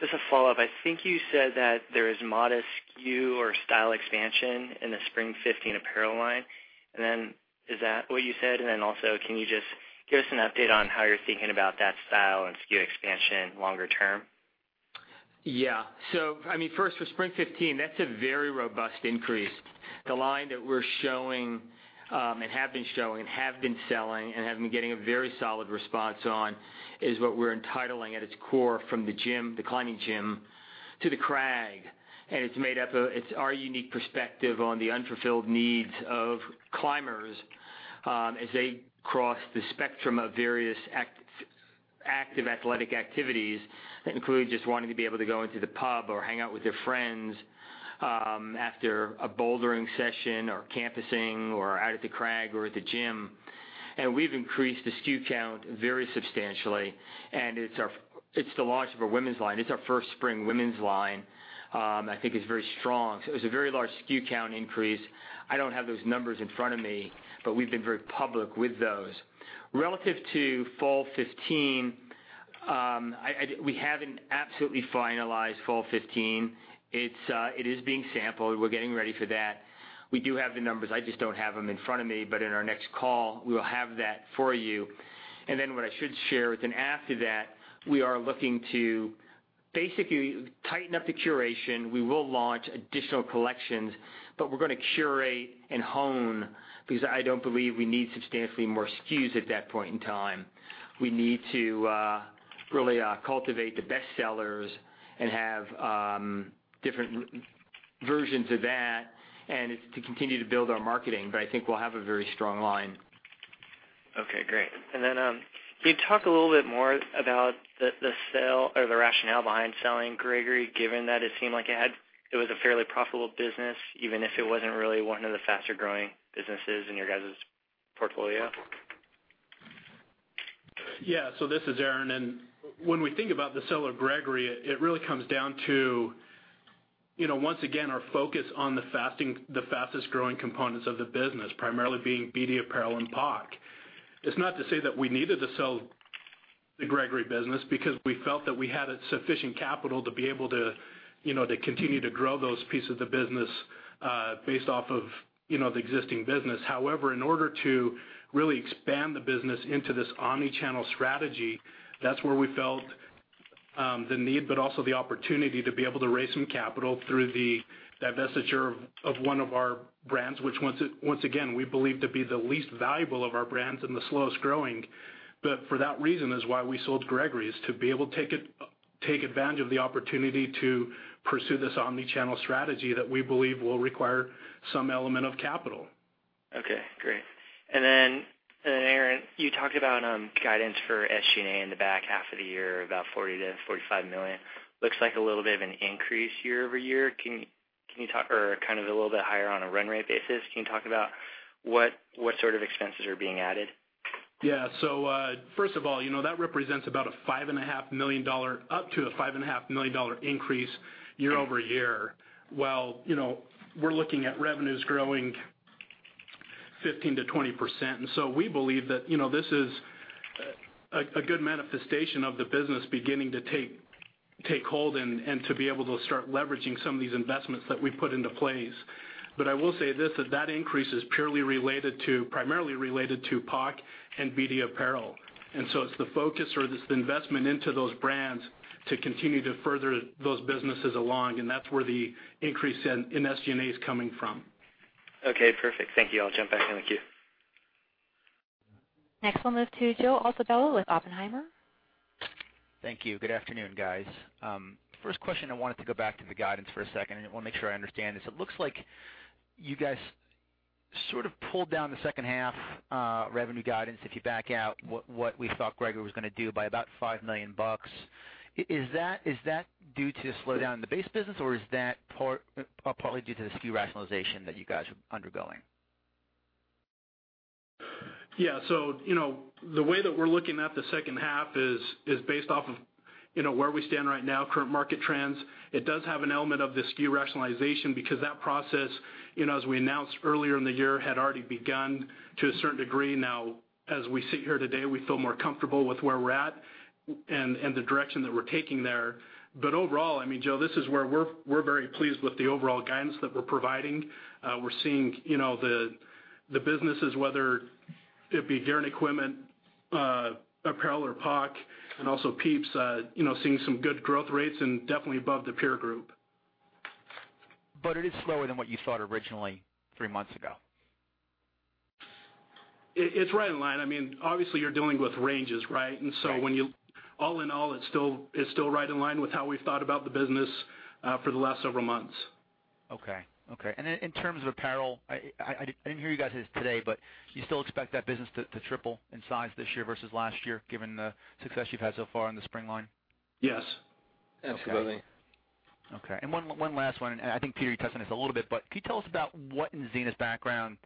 Just a follow-up. I think you said that there is modest SKU or style expansion in the Spring 2015 apparel line. Is that what you said? Also, can you just give us an update on how you're thinking about that style and SKU expansion longer term? Yeah. First, for Spring 2015, that's a very robust increase. The line that we're showing and have been showing, and have been selling, and have been getting a very solid response on is what we're entitling at its core, From the Gym, the climbing gym, to the Crag. It's our unique perspective on the unfulfilled needs of climbers as they cross the spectrum of various active athletic activities. That include just wanting to be able to go into the pub or hang out with their friends after a bouldering session or campusing or out at the crag or at the gym. We've increased the SKU count very substantially, and it's the launch of a women's line. It's our first spring women's line. I think it's very strong. It was a very large SKU count increase. I don't have those numbers in front of me, but we've been very public with those. Relative to Fall 2015, we haven't absolutely finalized Fall 2015. It is being sampled. We're getting ready for that. We do have the numbers. I just don't have them in front of me. In our next call, we will have that for you. What I should share is then after that, we are looking to basically tighten up the curation. We will launch additional collections, but we're going to curate and hone, because I don't believe we need substantially more SKUs at that point in time. We need to really cultivate the best sellers and have different versions of that, and it's to continue to build our marketing. I think we'll have a very strong line. Okay, great. Can you talk a little bit more about the rationale behind selling Gregory, given that it seemed like it was a fairly profitable business, even if it wasn't really one of the faster-growing businesses in your guys' portfolio? Yeah. This is Aaron, and when we think about the sale of Gregory, it really comes down to, once again, our focus on the fastest-growing components of the business, primarily being BD apparel and POC. It's not to say that we needed to sell the Gregory business because we felt that we had sufficient capital to be able to continue to grow those pieces of business based off of the existing business. However, in order to really expand the business into this omni-channel strategy, that's where we felt the need, but also the opportunity to be able to raise some capital through the divestiture of one of our brands, which once again, we believe to be the least valuable of our brands and the slowest-growing. For that reason is why we sold Gregory, is to be able to take advantage of the opportunity to pursue this omni-channel strategy that we believe will require some element of capital. Okay, great. Aaron, you talked about guidance for SG&A in the back half of the year, about $40 million-$45 million. Looks like a little bit of an increase year-over-year. Kind of a little bit higher on a run rate basis. Can you talk about what sort of expenses are being added? Yeah. First of all, that represents up to a $5.5 million increase year-over-year. While we're looking at revenues growing 15%-20%. We believe that this is a good manifestation of the business beginning to take hold and to be able to start leveraging some of these investments that we've put into place. I will say this, that increase is primarily related to POC and BD apparel. It's the focus or the investment into those brands to continue to further those businesses along. That's where the increase in SG&A is coming from. Okay, perfect. Thank you. I'll jump back in the queue. Next, we'll move to Joseph Altobello with Oppenheimer. Thank you. Good afternoon, guys. First question, I wanted to go back to the guidance for a second, and I want to make sure I understand this. It looks like you guys sort of pulled down the second half revenue guidance. If you back out what we thought Gregory was going to do by about $5 million. Is that due to slowdown in the base business, or is that partly due to the SKU rationalization that you guys are undergoing? Yeah. The way that we're looking at the second half is based off of where we stand right now, current market trends. It does have an element of the SKU rationalization because that process, as we announced earlier in the year, had already begun to a certain degree. As we sit here today, we feel more comfortable with where we're at and the direction that we're taking there. Overall, Joe, this is where we're very pleased with the overall guidance that we're providing. We're seeing the businesses, whether it be gear and equipment, apparel or POC, and also Pieps, seeing some good growth rates and definitely above the peer group. It is slower than what you thought originally three months ago. It's right in line. Obviously, you're dealing with ranges, right? Right. All in all, it's still right in line with how we've thought about the business for the last several months. Okay. In terms of apparel, I didn't hear you guys today, but do you still expect that business to triple in size this year versus last year, given the success you've had so far on the spring line? Yes. Absolutely. Okay. One last one, and I think Peter touched on this a little bit, but can you tell us about what in Zeena's background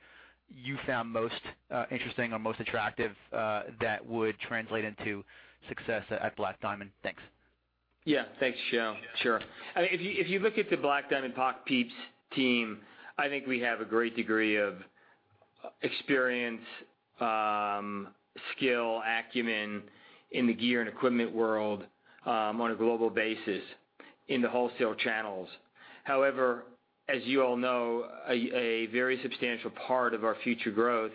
you found most interesting or most attractive that would translate into success at Black Diamond? Thanks. Yeah. Thanks, Joe. Sure. If you look at the Black Diamond POC Pieps team, I think we have a great degree of experience, skill, acumen in the gear and equipment world on a global basis in the wholesale channels. However, as you all know, a very substantial part of our future growth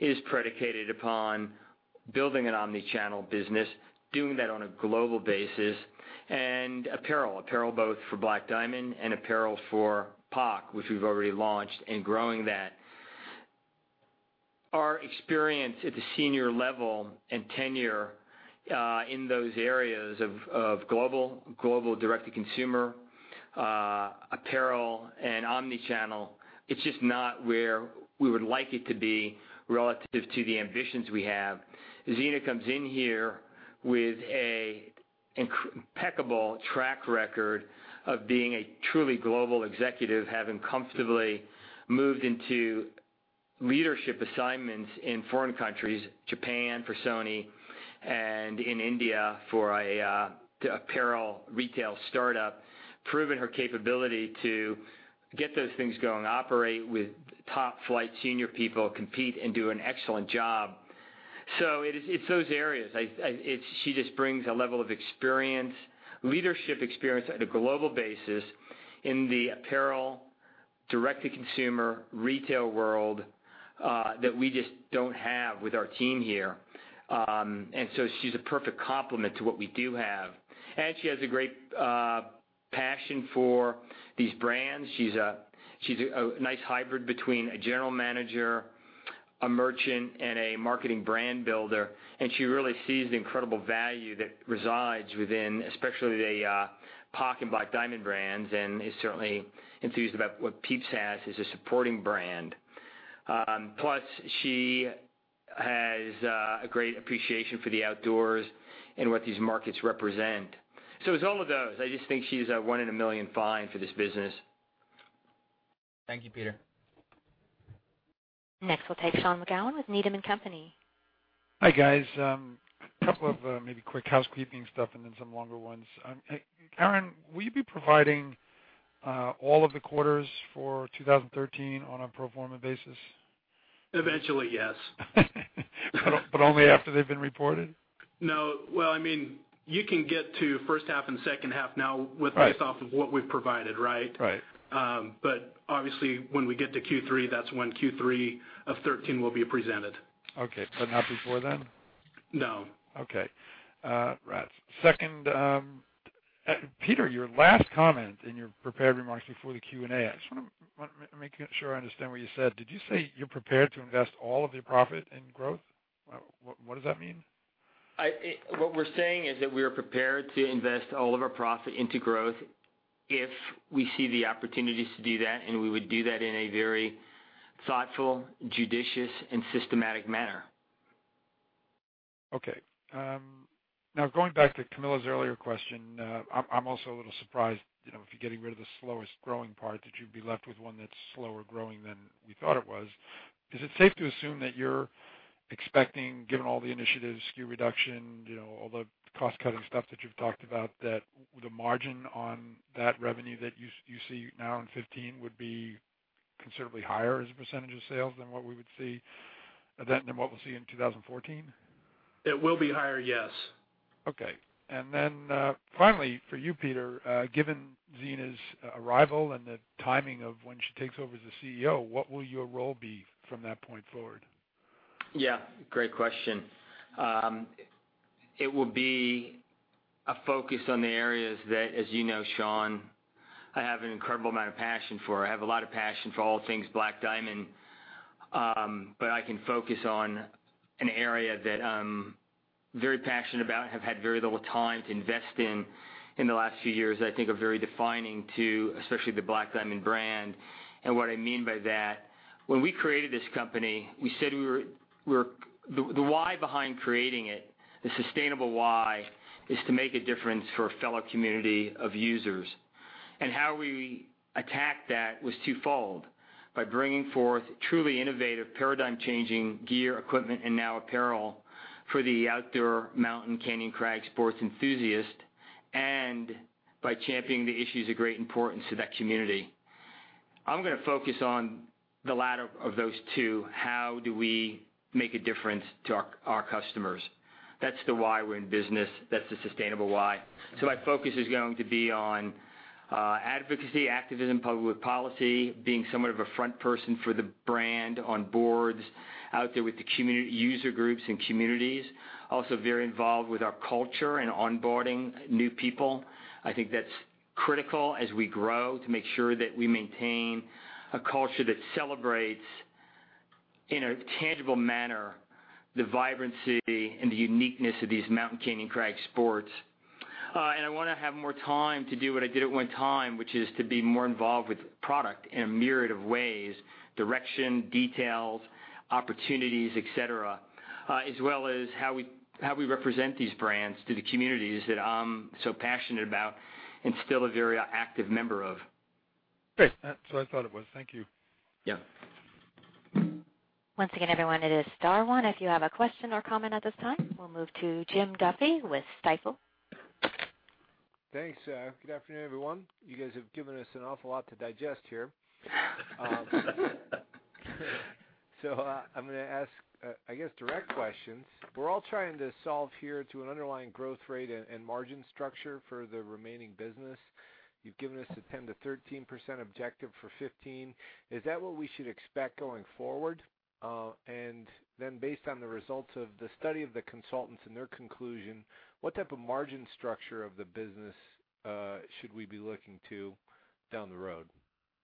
is predicated upon building an omni-channel business, doing that on a global basis, and apparel. Apparel both for Black Diamond and apparel for POC, which we've already launched and growing that. Our experience at the senior level and tenure in those areas of global direct-to-consumer apparel and omni-channel, it's just not where we would like it to be relative to the ambitions we have. Zeena comes in here with an impeccable track record of being a truly global executive, having comfortably moved into leadership assignments in foreign countries, Japan for Sony, and in India for an apparel retail startup. It's those areas. She just brings a level of leadership experience at a global basis in the apparel direct-to-consumer retail world, that we just don't have with our team here. She's a perfect complement to what we do have, and she has a great passion for these brands. She's a nice hybrid between a general manager, a merchant, and a marketing brand builder, and she really sees the incredible value that resides within, especially the POC and Black Diamond brands, and is certainly enthused about what Pieps has as a supporting brand. Plus, she has a great appreciation for the outdoors and what these markets represent. It's all of those. I just think she's a one in a million find for this business. Thank you, Peter. Next, we'll take Sean McGowan with Needham & Company. Hi, guys. A couple of maybe quick housekeeping stuff and then some longer ones. Aaron, will you be providing all of the quarters for 2013 on a pro forma basis? Eventually, yes. Only after they've been reported? No. You can get to first half and second half now based off of what we've provided, right? Right. Obviously, when we get to Q3, that's when Q3 of 2013 will be presented. Okay. Not before then? No. Okay. Rats. Second, Peter, your last comment in your prepared remarks before the Q&A, I just want to make sure I understand what you said. Did you say you're prepared to invest all of your profit in growth? What does that mean? What we're saying is that we are prepared to invest all of our profit into growth if we see the opportunities to do that. We would do that in a very thoughtful, judicious, and systematic manner. Okay. Going back to Camilo's earlier question, I'm also a little surprised if you're getting rid of the slowest growing part, that you'd be left with one that's slower growing than we thought it was. Is it safe to assume that you're expecting, given all the initiatives, SKU reduction, all the cost-cutting stuff that you've talked about, that the margin on that revenue that you see now in 2015 would be considerably higher as a % of sales than what we would see then than what we'll see in 2014? It will be higher, yes. Okay. Then finally for you, Peter, given Zeena's arrival and the timing of when she takes over as the CEO, what will your role be from that point forward? Great question. It will be a focus on the areas that, as you know, Sean, I have an incredible amount of passion for. I have a lot of passion for all things Black Diamond. I can focus on an area that I'm very passionate about and have had very little time to invest in the last few years that I think are very defining to, especially the Black Diamond brand. What I mean by that, when we created this company, the why behind creating it, the sustainable why, is to make a difference for a fellow community of users. How we attacked that was twofold: by bringing forth truly innovative, paradigm-changing gear, equipment, and now apparel for the outdoor mountain canyon crag sports enthusiast, and by championing the issues of great importance to that community. I'm going to focus on the latter of those two. How do we make a difference to our customers? That's the why we're in business. That's the sustainable why. My focus is going to be on advocacy, activism, public policy, being somewhat of a front person for the brand on boards out there with the community user groups and communities. Also very involved with our culture and onboarding new people. I think that's critical as we grow to make sure that we maintain a culture that celebrates, in a tangible manner, the vibrancy and the uniqueness of these mountain canyon crag sports. I want to have more time to do what I did at one time, which is to be more involved with product in a myriad of ways, direction, details, opportunities, et cetera, as well as how we represent these brands to the communities that I'm so passionate about and still a very active member of. Great. That's what I thought it was. Thank you. Yeah. Once again, everyone, it is star one if you have a question or comment at this time. We'll move to Jim Duffy with Stifel. Thanks. Good afternoon, everyone. You guys have given us an awful lot to digest here. I'm going to ask, I guess, direct questions. We're all trying to solve here to an underlying growth rate and margin structure for the remaining business. You've given us a 10%-13% objective for 2015. Is that what we should expect going forward? Based on the results of the study of the consultants and their conclusion, what type of margin structure of the business should we be looking to down the road?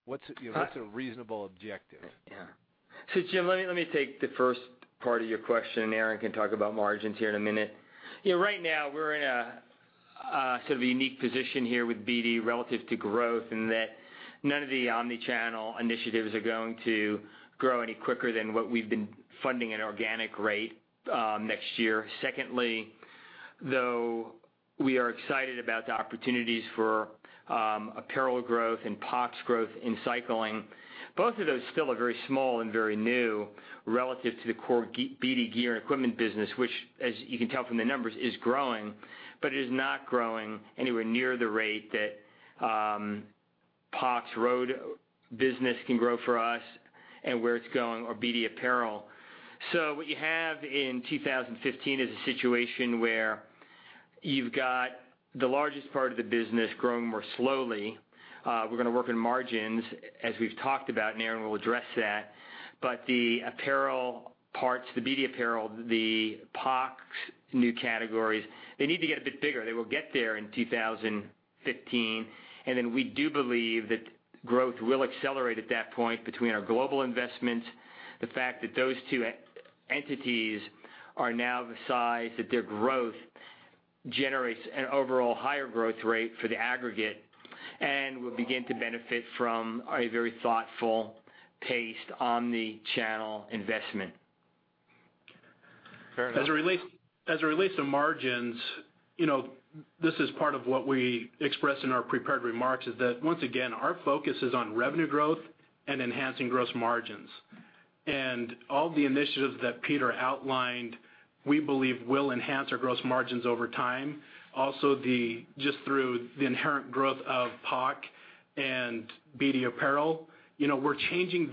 What's a reasonable objective? Yeah. Jim, let me take the first part of your question, and Aaron can talk about margins here in a minute. Right now, we're in a sort of unique position here with BD relative to growth in that none of the omni-channel initiatives are going to grow any quicker than what we've been funding at an organic rate next year. Secondly, though, we are excited about the opportunities for apparel growth and POC's growth in cycling. Both of those still are very small and very new relative to the core BD gear and equipment business, which, as you can tell from the numbers, is growing. It is not growing anywhere near the rate that POC's road business can grow for us and where it's going, or BD apparel. What you have in 2015 is a situation where you've got the largest part of the business growing more slowly. We're going to work on margins, as we've talked about, and Aaron will address that. The apparel parts, the BD apparel, the POC new categories, they need to get a bit bigger. They will get there in 2015, we do believe that growth will accelerate at that point between our global investments, the fact that those two entities are now the size that their growth generates an overall higher growth rate for the aggregate. We'll begin to benefit from a very thoughtful-paced omni-channel investment. Fair enough. As it relates to margins, this is part of what we expressed in our prepared remarks, is that once again, our focus is on revenue growth and enhancing gross margins. All the initiatives that Peter outlined, we believe will enhance our gross margins over time. Also, just through the inherent growth of POC and BD apparel, we're changing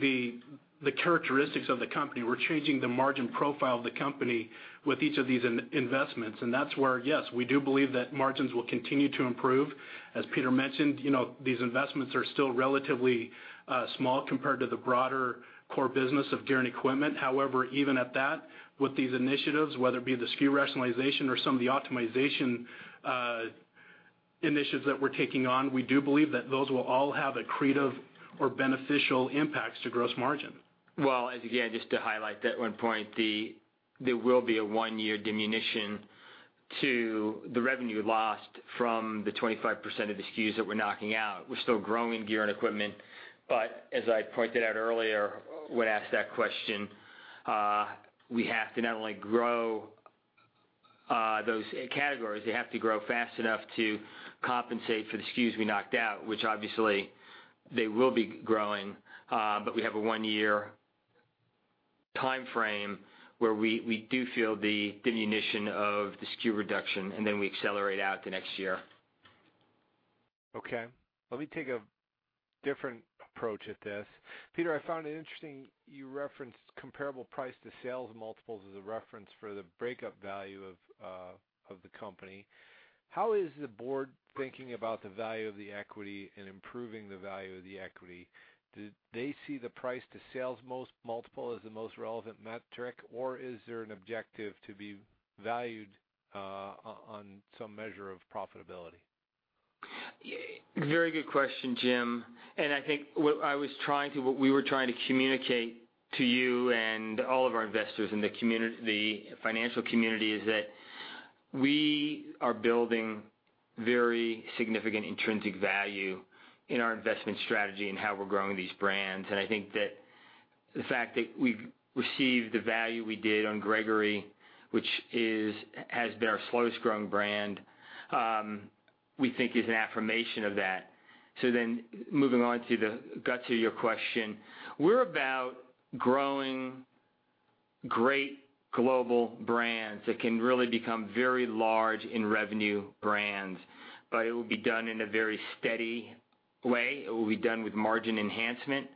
the characteristics of the company. We're changing the margin profile of the company with each of these investments. That's where, yes, we do believe that margins will continue to improve. As Peter mentioned, these investments are still relatively small compared to the broader core business of gear and equipment. However, even at that, with these initiatives, whether it be the SKU rationalization or some of the optimization initiatives that we're taking on, we do believe that those will all have accretive or beneficial impacts to gross margin. Well, again, just to highlight that one point, there will be a one-year diminution to the revenue lost from the 25% of the SKUs that we're knocking out. We're still growing gear and equipment, but as I pointed out earlier, when asked that question, we have to not only grow those categories, they have to grow fast enough to compensate for the SKUs we knocked out, which obviously they will be growing. We have a one-year timeframe where we do feel the diminution of the SKU reduction, then we accelerate out the next year. Okay. Let me take a different approach at this. Peter, I found it interesting you referenced comparable price to sales multiples as a reference for the breakup value of the company. How is the board thinking about the value of the equity and improving the value of the equity? Do they see the price to sales multiple as the most relevant metric, or is there an objective to be valued on some measure of profitability? Very good question, Jim. I think what we were trying to communicate to you and all of our investors in the financial community is that we are building very significant intrinsic value in our investment strategy and how we're growing these brands. I think that the fact that we've received the value we did on Gregory, which has been our slowest growing brand, we think is an affirmation of that. Moving on to the guts of your question, we're about growing great global brands that can really become very large in revenue brands. It will be done in a very steady way. It will be done with margin enhancement.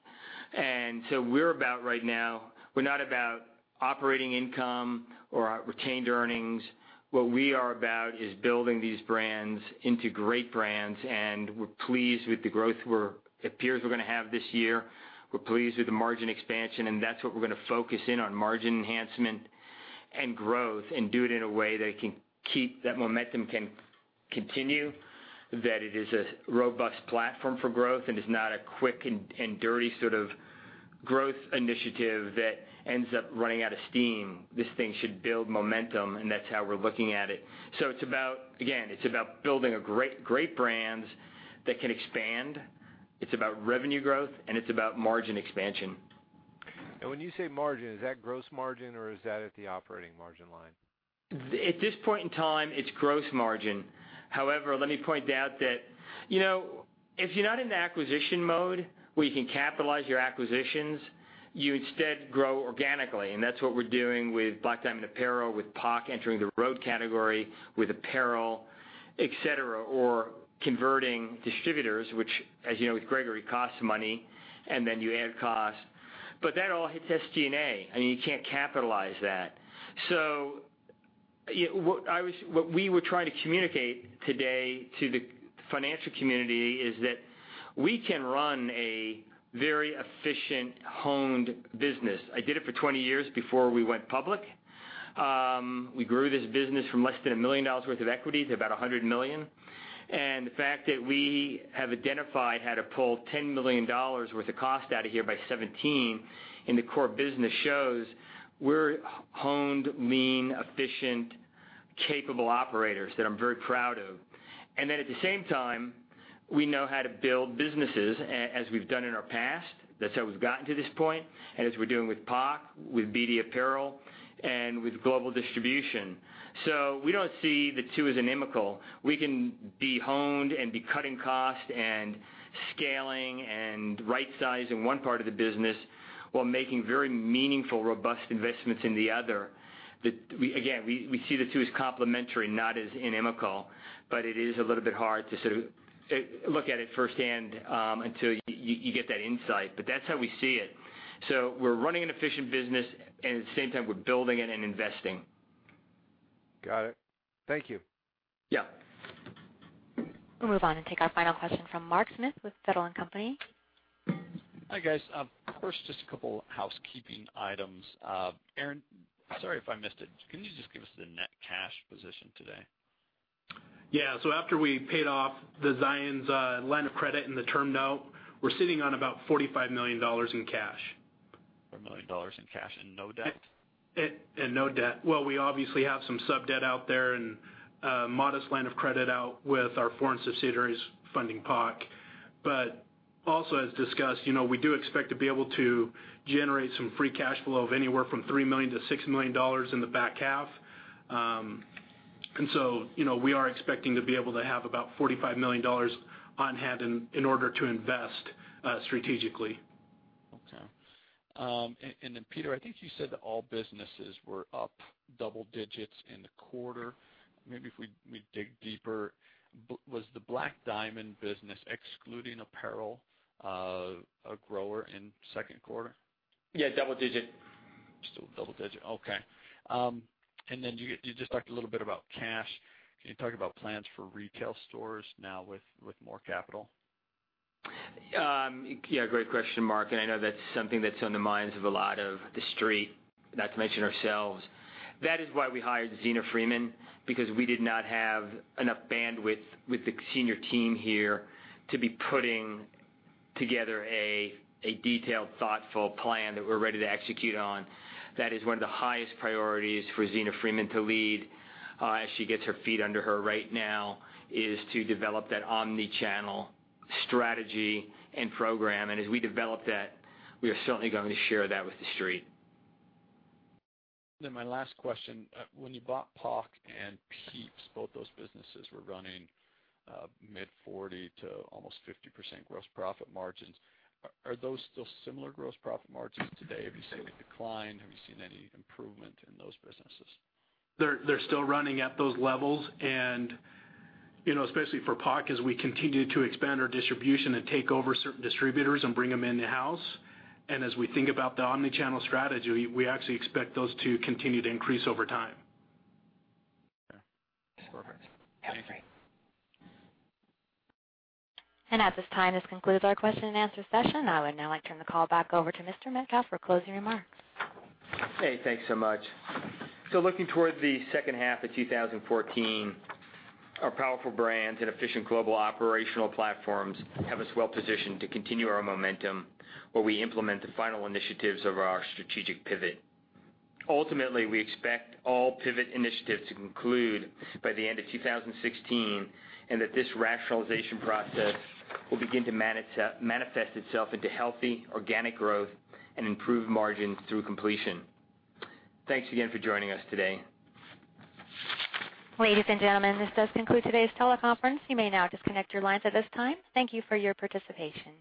We're not about operating income or retained earnings. What we are about is building these brands into great brands, and we're pleased with the growth it appears we're going to have this year. We're pleased with the margin expansion. That's what we're going to focus in on, margin enhancement and growth. Do it in a way that momentum can continue, that it is a robust platform for growth and is not a quick and dirty sort of growth initiative that ends up running out of steam. This thing should build momentum, and that's how we're looking at it. Again, it's about building great brands that can expand. It's about revenue growth, and it's about margin expansion. When you say margin, is that gross margin, or is that at the operating margin line? At this point in time, it's gross margin. However, let me point out that if you're not in the acquisition mode where you can capitalize your acquisitions, you instead grow organically. That's what we're doing with Black Diamond apparel, with POC entering the road category with apparel, et cetera, or converting distributors, which as you know, with Gregory, costs money, and then you add cost. That all hits SG&A, and you can't capitalize that. What we were trying to communicate today to the financial community is that we can run a very efficient, honed business. I did it for 20 years before we went public. We grew this business from less than $1 million worth of equity to about $100 million. The fact that we have identified how to pull $10 million worth of cost out of here by 2017 in the core business shows we're honed, lean, efficient, capable operators that I'm very proud of. At the same time, we know how to build businesses as we've done in our past. That's how we've gotten to this point, and as we're doing with POC, with BD apparel, and with global distribution. We don't see the two as inimical. We can be honed and be cutting cost and scaling and right sizing one part of the business while making very meaningful, robust investments in the other. Again, we see the two as complementary, not as inimical, but it is a little bit hard to sort of look at it firsthand until you get that insight. That's how we see it. we're running an efficient business, and at the same time, we're building it and investing. Got it. Thank you. Yeah. We'll move on and take our final question from Mark Smith with Feltl & Company. Hi, guys. First, just a couple housekeeping items. Aaron, sorry if I missed it. Can you just give us the net cash position today? Yeah. After we paid off the Zions line of credit and the term note, we're sitting on about $45 million in cash. $45 million in cash, no debt? No debt. Well, we obviously have some sub-debt out there and a modest line of credit out with our foreign subsidiaries funding POC. Also as discussed, we do expect to be able to generate some free cash flow of anywhere from $3 million to $6 million in the back half. We are expecting to be able to have about $45 million on hand in order to invest strategically. Okay. Then Peter, I think you said that all businesses were up double digits in the quarter. Maybe if we dig deeper, was the Black Diamond business, excluding apparel, a grower in second quarter? Yeah, double digit. Still double digit. Okay. You just talked a little bit about cash. Can you talk about plans for retail stores now with more capital? Yeah. Great question, Mark. I know that's something that's on the minds of a lot of the Street, not to mention ourselves. That is why we hired Zeena Freeman, because we did not have enough bandwidth with the senior team here to be putting together a detailed, thoughtful plan that we're ready to execute on. That is one of the highest priorities for Zeena Freeman to lead as she gets her feet under her right now, is to develop that omni-channel strategy and program. As we develop that, we are certainly going to share that with the Street. My last question, when you bought POC and Pieps, both those businesses were running mid-40% to almost 50% gross profit margins. Are those still similar gross profit margins today? Have you seen a decline? Have you seen any improvement in those businesses? They're still running at those levels, especially for POC, as we continue to expand our distribution and take over certain distributors and bring them in-house, as we think about the omni-channel strategy, we actually expect those to continue to increase over time. Okay. That's perfect. At this time, this concludes our question and answer session. I would now like to turn the call back over to Mr. Metcalf for closing remarks. Hey, thanks so much. Looking toward the second half of 2014, our powerful brands and efficient global operational platforms have us well positioned to continue our momentum where we implement the final initiatives of our strategic pivot. Ultimately, we expect all pivot initiatives to conclude by the end of 2016, that this rationalization process will begin to manifest itself into healthy organic growth and improved margins through completion. Thanks again for joining us today. Ladies and gentlemen, this does conclude today's teleconference. You may now disconnect your lines at this time. Thank you for your participation.